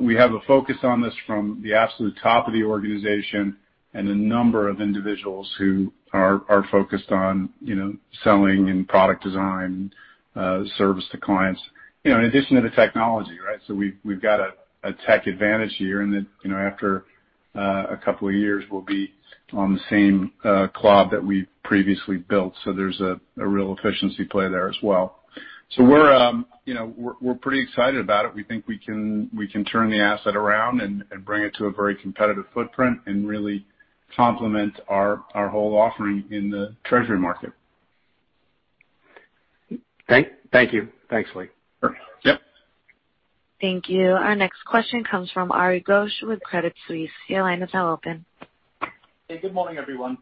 We have a focus on this from the absolute top of the organization and a number of individuals who are focused on selling and product design, service to clients, in addition to the technology, right? We've got a tech advantage here in that, after a couple of years, we'll be on the same CLOB that we previously built. There's a real efficiency play there as well. We're pretty excited about it. We think we can turn the asset around and bring it to a very competitive footprint and really complement our whole offering in the Treasury market. Thank you. Thanks, Lee. Sure. Yep. Thank you. Our next question comes from Ari Ghosh with Credit Suisse. Your line is now open. Hey, good morning, everyone.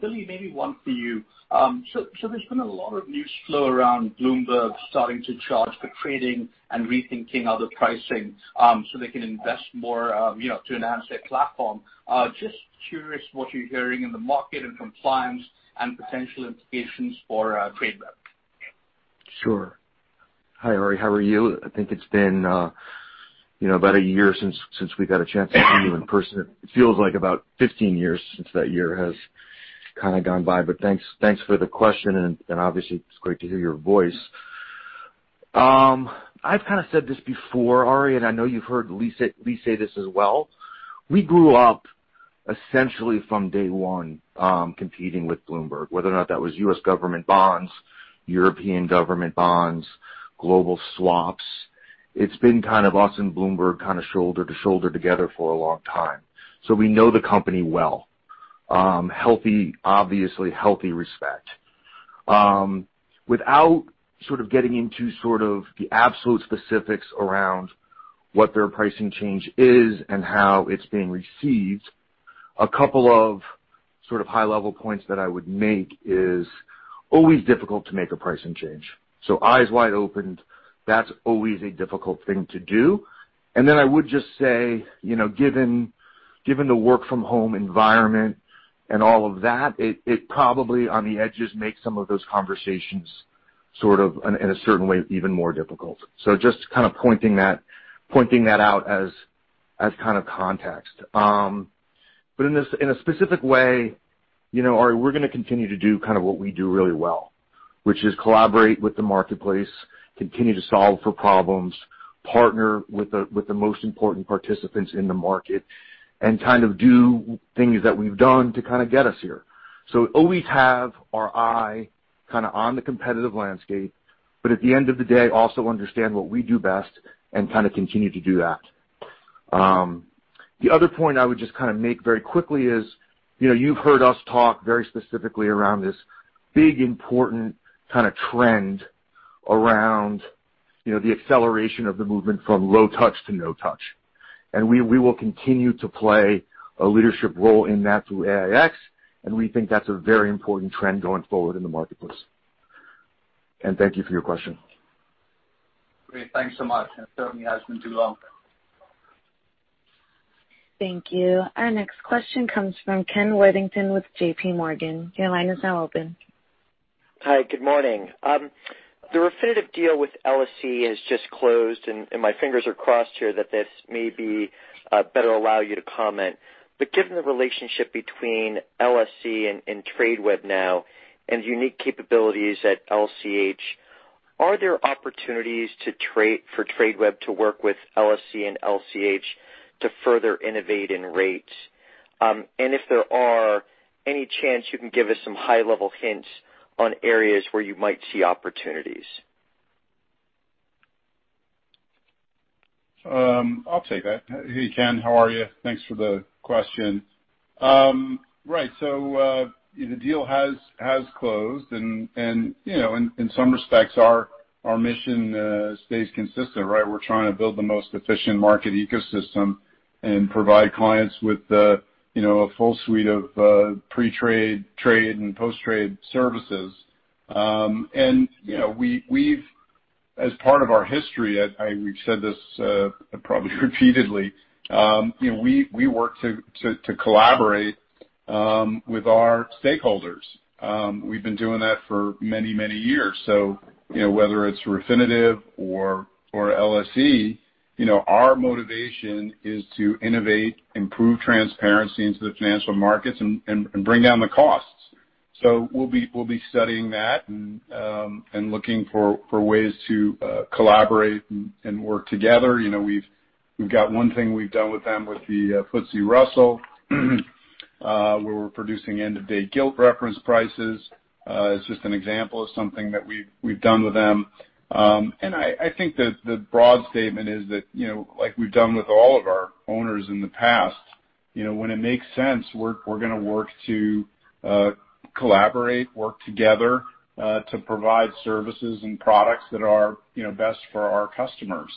Billy, maybe one for you. There's been a lot of news flow around Bloomberg starting to charge for trading and rethinking other pricing, so they can invest more, to enhance their platform. Just curious what you're hearing in the market and from clients and potential implications for Tradeweb. Sure. Hi, Ari. How are you? I think it's been about a year since we got a chance to see you in person. It feels like about 15 years since that year has kind of gone by. Thanks for the question, and obviously it's great to hear your voice. I've kind of said this before, Ari, and I know you've heard Lee say this as well. We grew up essentially from day one, competing with Bloomberg, whether or not that was U.S. government bonds, European government bonds, global swaps. It's been kind of us and Bloomberg shoulder to shoulder together for a long time. We know the company well. Obviously healthy respect. Without getting into the absolute specifics around what their pricing change is and how it's being received, a couple of high-level points that I would make is always difficult to make a pricing change. Eyes wide open, that's always a difficult thing to do. I would just say, given the work-from-home environment and all of that, it probably, on the edges, makes some of those conversations sort of, in a certain way, even more difficult. Just kind of pointing that out as kind of context. In a specific way, Ari, we're going to continue to do what we do really well, which is collaborate with the marketplace, continue to solve for problems, partner with the most important participants in the market, and do things that we've done to get us here. Always have our eye on the competitive landscape, but at the end of the day, also understand what we do best and continue to do that. The other point I would just make very quickly is, you've heard us talk very specifically around this big, important kind of trend around the acceleration of the movement from low touch to no touch. We will continue to play a leadership role in that through AiEX, and we think that's a very important trend going forward in the marketplace. Thank you for your question. Great. Thanks so much. It certainly has been too long. Thank you. Our next question comes from Ken Worthington with JPMorgan. Hi, good morning. The Refinitiv deal with LSE has just closed, and my fingers are crossed here that this may be better allow you to comment. Given the relationship between LSE and Tradeweb now and the unique capabilities at LCH, are there opportunities for Tradeweb to work with LSE and LCH to further innovate in rates? If there are, any chance you can give us some high-level hints on areas where you might see opportunities? I'll take that. Hey, Ken, how are you? Thanks for the question. The deal has closed and in some respects, our mission stays consistent. We're trying to build the most efficient market ecosystem and provide clients with a full suite of pre-trade, trade, and post-trade services. As part of our history, we've said this probably repeatedly, we work to collaborate with our stakeholders. We've been doing that for many, many years. Whether it's Refinitiv or LSE, our motivation is to innovate, improve transparency into the financial markets, and bring down the costs. We'll be studying that and looking for ways to collaborate and work together. We've got one thing we've done with them with the FTSE Russell, where we're producing end-of-day gilt reference prices. It's just an example of something that we've done with them. I think that the broad statement is that, like we've done with all of our owners in the past, when it makes sense, we're going to work to collaborate, work together, to provide services and products that are best for our customers.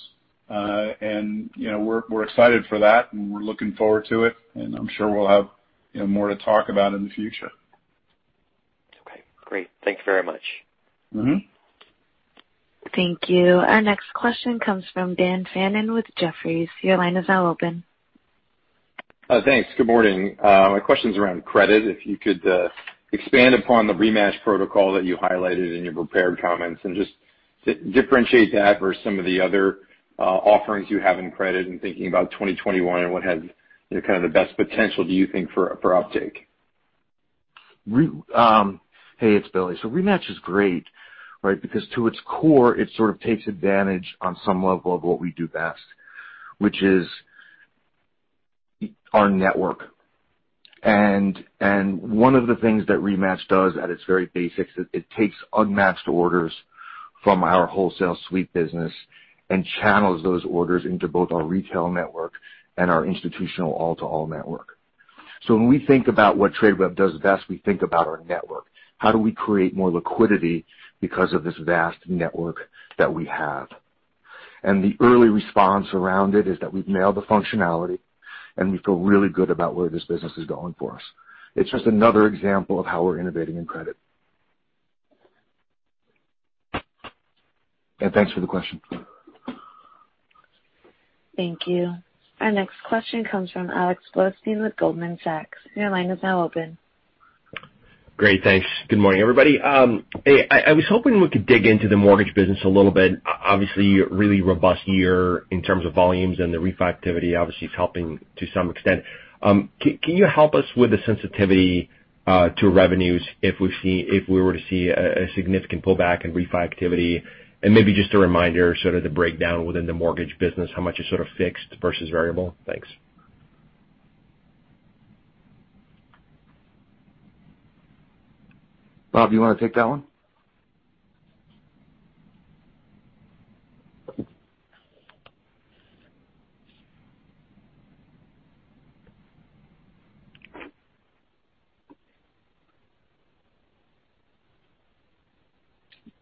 We're excited for that, and we're looking forward to it, and I'm sure we'll have more to talk about in the future. Okay, great. Thank you very much. Thank you. Our next question comes from Dan Fannon with Jefferies. Your line is now open. Thanks. Good morning. My question's around credit. If you could expand upon the Rematch protocol that you highlighted in your prepared comments and just differentiate that versus some of the other offerings you have in credit and thinking about 2021 and what has kind of the best potential do you think for uptake? Hey, it's Billy. Rematch is great, right? Because to its core, it sort of takes advantage on some level of what we do best, which is our network. One of the things that Rematch does at its very basics is it takes unmatched orders from our wholesale suite business and channels those orders into both our retail network and our institutional all-to-all network. When we think about what Tradeweb does best, we think about our network. How do we create more liquidity because of this vast network that we have? The early response around it is that we've nailed the functionality, and we feel really good about where this business is going for us. It's just another example of how we're innovating in credit. Thanks for the question. Thank you. Our next question comes from Alex Blostein with Goldman Sachs. Great, thanks. Good morning, everybody. Hey, I was hoping we could dig into the mortgage business a little bit. Obviously, really robust year in terms of volumes, and the refi activity obviously is helping to some extent. Can you help us with the sensitivity to revenues if we were to see a significant pullback in refi activity? Maybe just a reminder, sort of the breakdown within the mortgage business, how much is sort of fixed versus variable? Thanks. Bob, do you want to take that one?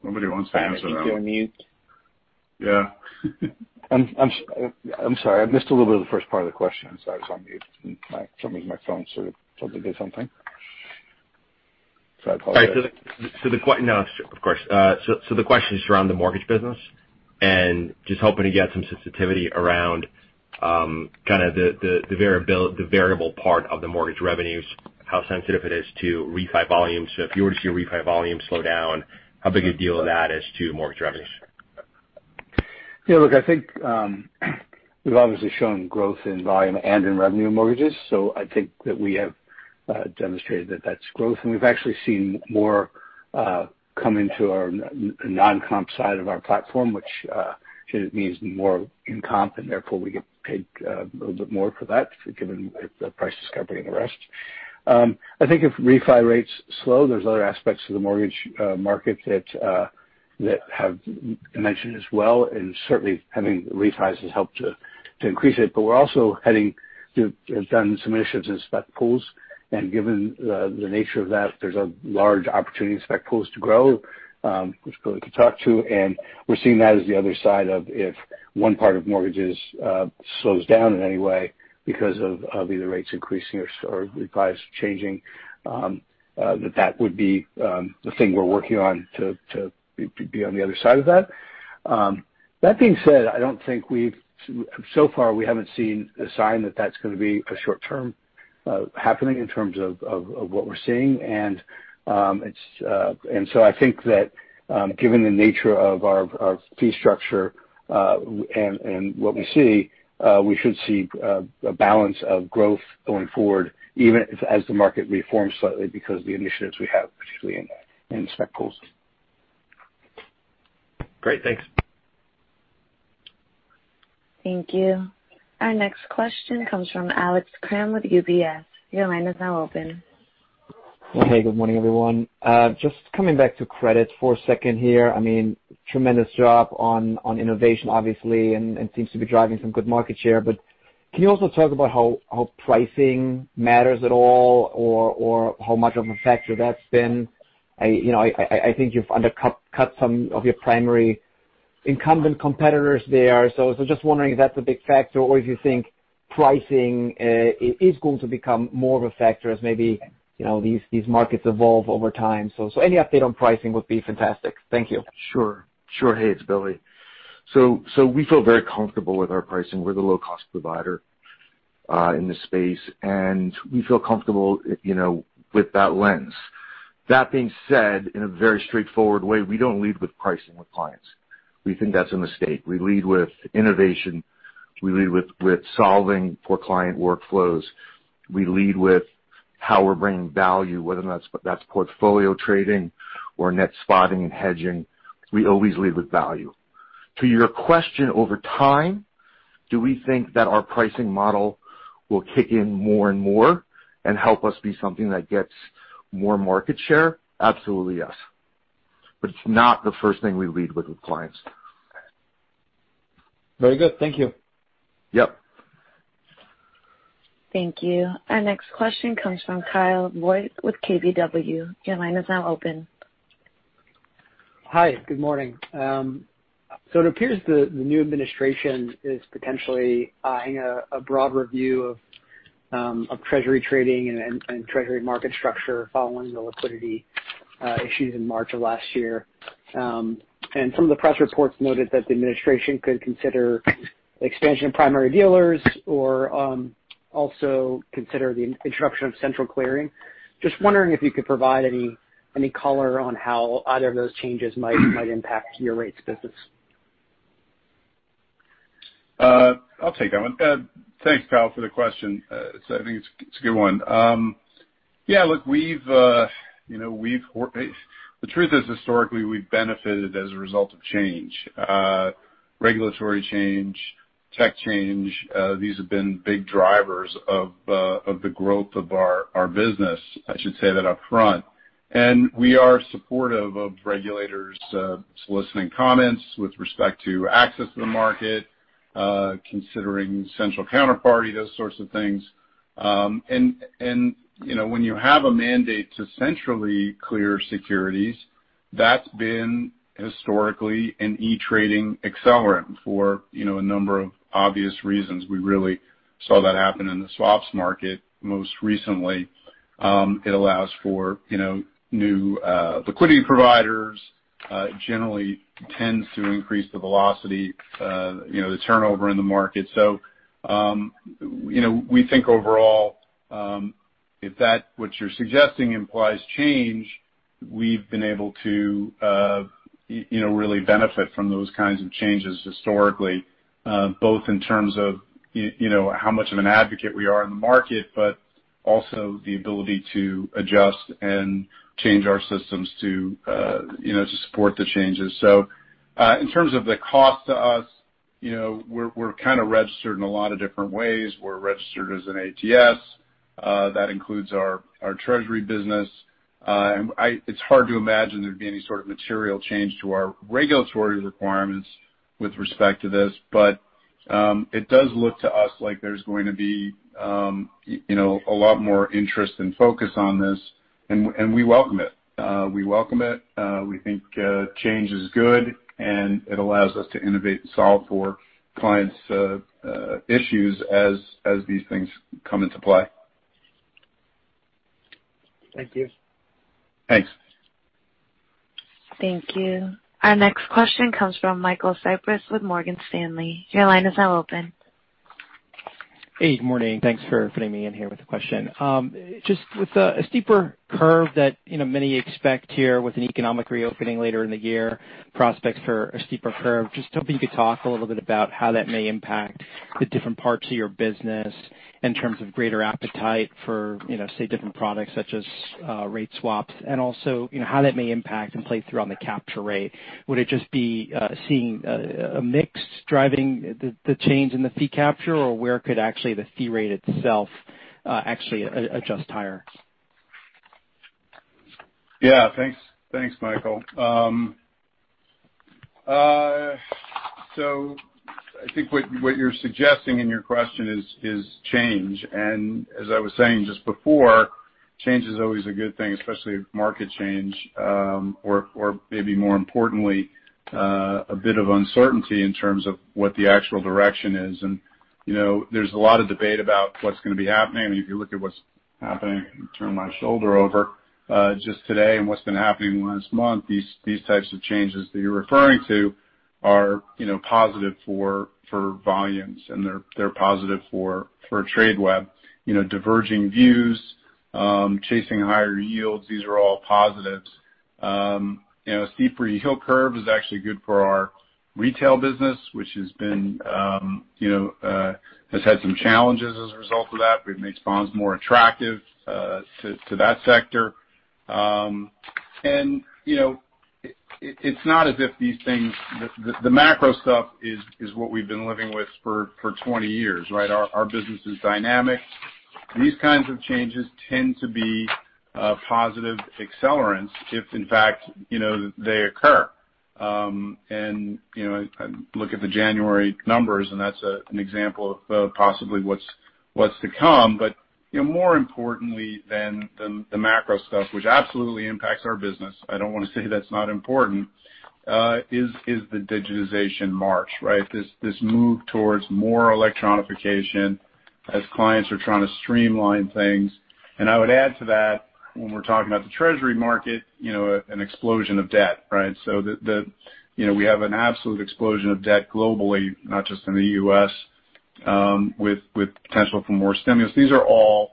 Nobody wants to answer that one. I was still on mute. Yeah. I'm sorry. I missed a little bit of the first part of the question, sorry, I was on mute and something with my phone started to do something. I apologize. No, of course. The question is around the mortgage business, and just hoping to get some sensitivity around the variable part of the mortgage revenues, how sensitive it is to refi volumes? If you were to see a refi volume slow down, how big a deal that is to mortgage revenues? Look, I think, we've obviously shown growth in volume and in revenue mortgages. I think that we have demonstrated that that's growth. We've actually seen more come into our non-GAAP side of our platform, which it means more in GAAP, and therefore, we get paid a little bit more for that, given the price discovery and the rest. I think if refi rates slow, there's other aspects of the mortgage market that have dimension as well, and certainly having refis has helped to increase it. We're also done some initiatives in spec pools, and given the nature of that, there's a large opportunity in spec pools to grow, which Billy could talk to. We're seeing that as the other side of, if one part of mortgages slows down in any way because of either rates increasing or refis changing, that that would be the thing we're working on to be on the other side of that. That being said, so far we haven't seen a sign that that's going to be a short-term happening in terms of what we're seeing. I think that given the nature of our fee structure, and what we see, we should see a balance of growth going forward, even as the market reforms slightly because of the initiatives we have, particularly in spec pools. Great. Thanks. Thank you. Our next question comes from Alex Kramm with UBS. Your line is now open. Hey, good morning, everyone. Just coming back to credit for a second here. I mean, tremendous job on innovation, obviously, and seems to be driving some good market share. Can you also talk about how pricing matters at all or how much of a factor that's been? I think you've undercut some of your primary incumbent competitors there. Just wondering if that's a big factor or if you think pricing is going to become more of a factor as maybe these markets evolve over time. Any update on pricing would be fantastic. Thank you. Sure. Hey, it's Billy. We feel very comfortable with our pricing. We're the low-cost provider in this space, and we feel comfortable with that lens. That being said, in a very straightforward way, we don't lead with pricing with clients. We think that's a mistake. We lead with innovation. We lead with solving for client workflows. We lead with how we're bringing value, whether that's portfolio trading or net spotting and hedging. We always lead with value. To your question, over time, do we think that our pricing model will kick in more and more and help us be something that gets more market share? Absolutely, yes. It's not the first thing we lead with with clients. Very good. Thank you. Yep. Thank you. Our next question comes from Kyle Voigt with KBW. Your line is now open. Hi. Good morning. It appears the new administration is potentially eyeing a broad review of Treasury trading and Treasury market structure following the liquidity issues in March of last year. Some of the press reports noted that the administration could consider expansion of primary dealers or also consider the introduction of central clearing. Just wondering if you could provide any color on how either of those changes might impact your rates business? I'll take that one. Thanks, Kyle, for the question. I think it's a good one. Yeah, look, the truth is, historically, we've benefited as a result of change, regulatory change, tech change. These have been big drivers of the growth of our business, I should say that up front. We are supportive of regulators soliciting comments with respect to access to the market, considering central counterparty, those sorts of things. When you have a mandate to centrally clear securities, that's been historically an e-trading accelerant for a number of obvious reasons. We really saw that happen in the swaps market most recently. It allows for new liquidity providers. It generally tends to increase the velocity, the turnover in the market. We think overall, if that which you're suggesting implies change, we've been able to really benefit from those kinds of changes historically. Both in terms of how much of an advocate we are in the market, but also the ability to adjust and change our systems to support the changes. In terms of the cost to us. We're kind of registered in a lot of different ways. We're registered as an ATS. That includes our treasury business. It's hard to imagine there'd be any sort of material change to our regulatory requirements with respect to this. It does look to us like there's going to be a lot more interest and focus on this, and we welcome it. We think change is good, and it allows us to innovate and solve for clients' issues as these things come into play. Thank you. Thanks. Thank you. Our next question comes from Michael Cyprys with Morgan Stanley. Your line is now open. Hey, good morning. Thanks for fitting me in here with a question. Just with a steeper curve that many expect here with an economic reopening later in the year, prospects for a steeper curve. Just hoping you could talk a little bit about how that may impact the different parts of your business in terms of greater appetite for, say, different products such as rate swaps and also, how that may impact and play through on the capture rate. Would it just be seeing a mix driving the change in the fee capture, or where could actually the fee rate itself actually adjust higher? Thanks, Michael. I think what you're suggesting in your question is change. As I was saying just before, change is always a good thing, especially market change, or maybe more importantly, a bit of uncertainty in terms of what the actual direction is. There's a lot of debate about what's going to be happening. If you look at what's happening, let me turn my shoulder over, just today and what's been happening last month, these types of changes that you're referring to are positive for volumes, and they're positive for Tradeweb. Diverging views, chasing higher yields, these are all positives. A steeper yield curve is actually good for our retail business, which has had some challenges as a result of that. We've made bonds more attractive to that sector. The macro stuff is what we've been living with for 20 years, right? Our business is dynamic. These kinds of changes tend to be positive accelerants if, in fact, they occur. Look at the January numbers, and that's an example of possibly what's to come. More importantly than the macro stuff, which absolutely impacts our business, I don't want to say that's not important, is the digitization march, right? This move towards more electronification as clients are trying to streamline things. I would add to that, when we're talking about the treasury market, an explosion of debt, right? We have an absolute explosion of debt globally, not just in the U.S., with potential for more stimulus. These are all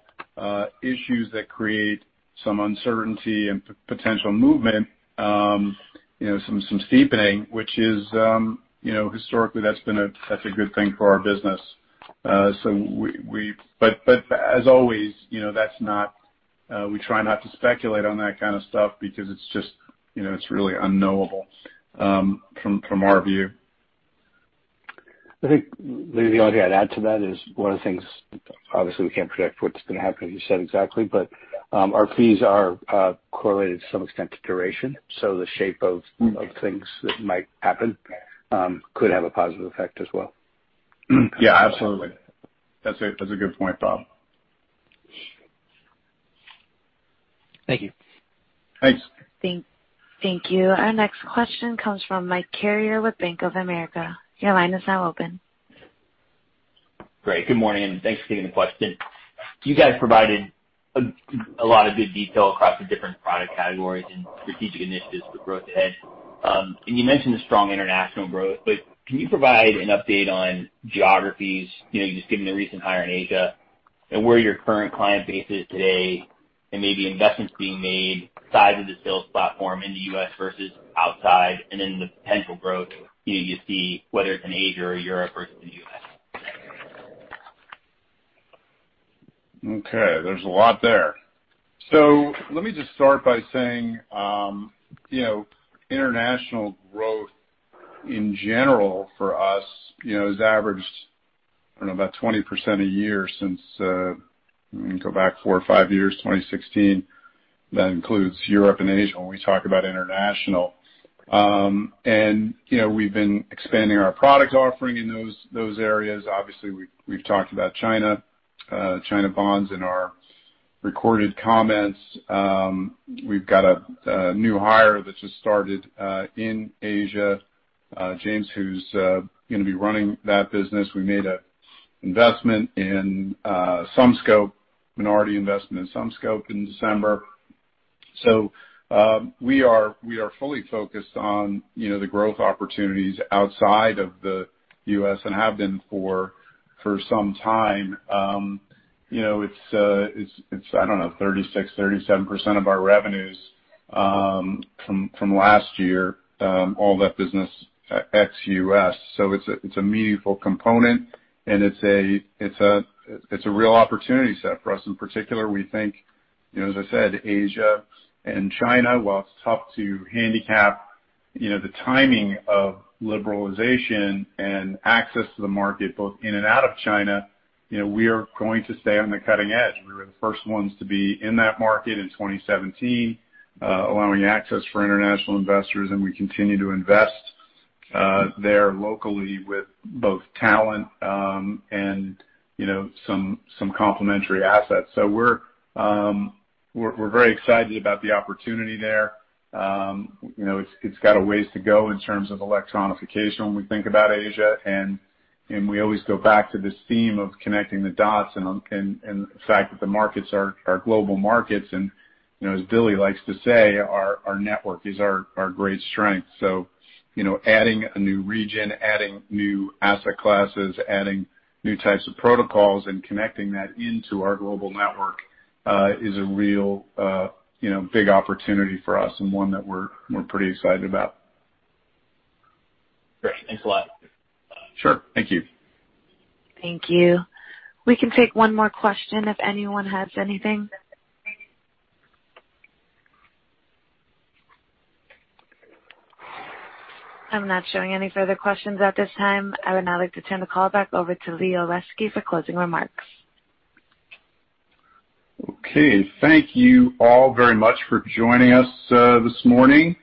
issues that create some uncertainty and potential movement, some steepening, which historically, that's a good thing for our business. As always, we try not to speculate on that kind of stuff because it's really unknowable from our view. I think the only thing I'd add to that is one of the things, obviously, we can't predict what's going to happen, as you said exactly, but our fees are correlated to some extent to duration. The shape of things that might happen could have a positive effect as well. Yeah, absolutely. That's a good point, Bob. Thank you. Thanks. Thank you. Our next question comes from Mike Carrier with Bank of America. Your line is now open. Great. Good morning, and thanks for taking the question. You guys provided a lot of good detail across the different product categories and strategic initiatives for growth ahead. You mentioned the strong international growth, but can you provide an update on geographies, just given the recent hire in Asia and where your current client base is today and maybe investments being made, size of the sales platform in the U.S. versus outside, and then the potential growth you see, whether it's in Asia or Europe versus the U.S. Okay, there's a lot there. Let me just start by saying international growth in general for us has averaged about 20% a year since, go back four or five years, 2016. That includes Europe and Asia when we talk about international. We've been expanding our product offering in those areas. Obviously, we've talked about China bonds in our recorded comments. We've got a new hire that just started in Asia, James, who's going to be running that business. We made a minority investment in Sumscope in December. We are fully focused on the growth opportunities outside of the U.S. and have been for some time. It's 36%-37% of our revenues from last year, all that business ex-U.S. It's a meaningful component, and it's a real opportunity set for us. In particular, we think as I said, Asia and China, while it's tough to handicap the timing of liberalization and access to the market both in and out of China, we are going to stay on the cutting edge. We were the first ones to be in that market in 2017, allowing access for international investors. We continue to invest there locally with both talent and some complementary assets. We're very excited about the opportunity there. It's got a ways to go in terms of electronification when we think about Asia, and we always go back to this theme of connecting the dots and the fact that the markets are global markets. As Billy likes to say, our network is our great strength. Adding a new region, adding new asset classes, adding new types of protocols, and connecting that into our global network is a real big opportunity for us and one that we're pretty excited about. Great. Thanks a lot. Sure. Thank you. Thank you. We can take one more question if anyone has anything. I'm not showing any further questions at this time. I would now like to turn the call back over to Lee Olesky for closing remarks. Okay. Thank you all very much for joining us this morning.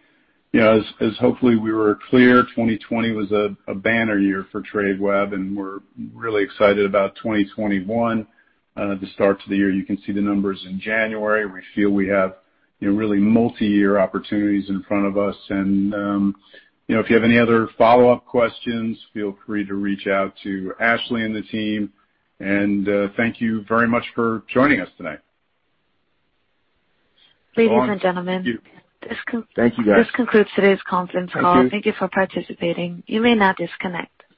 As hopefully we were clear, 2020 was a banner year for Tradeweb. We're really excited about 2021. The start to the year, you can see the numbers in January. We feel we have really multi-year opportunities in front of us. If you have any other follow-up questions, feel free to reach out to Ashley and the team. Thank you very much for joining us today. Ladies and gentlemen. Thank you, guys. This concludes today's conference call. Thank you. Thank you for participating. You may now disconnect.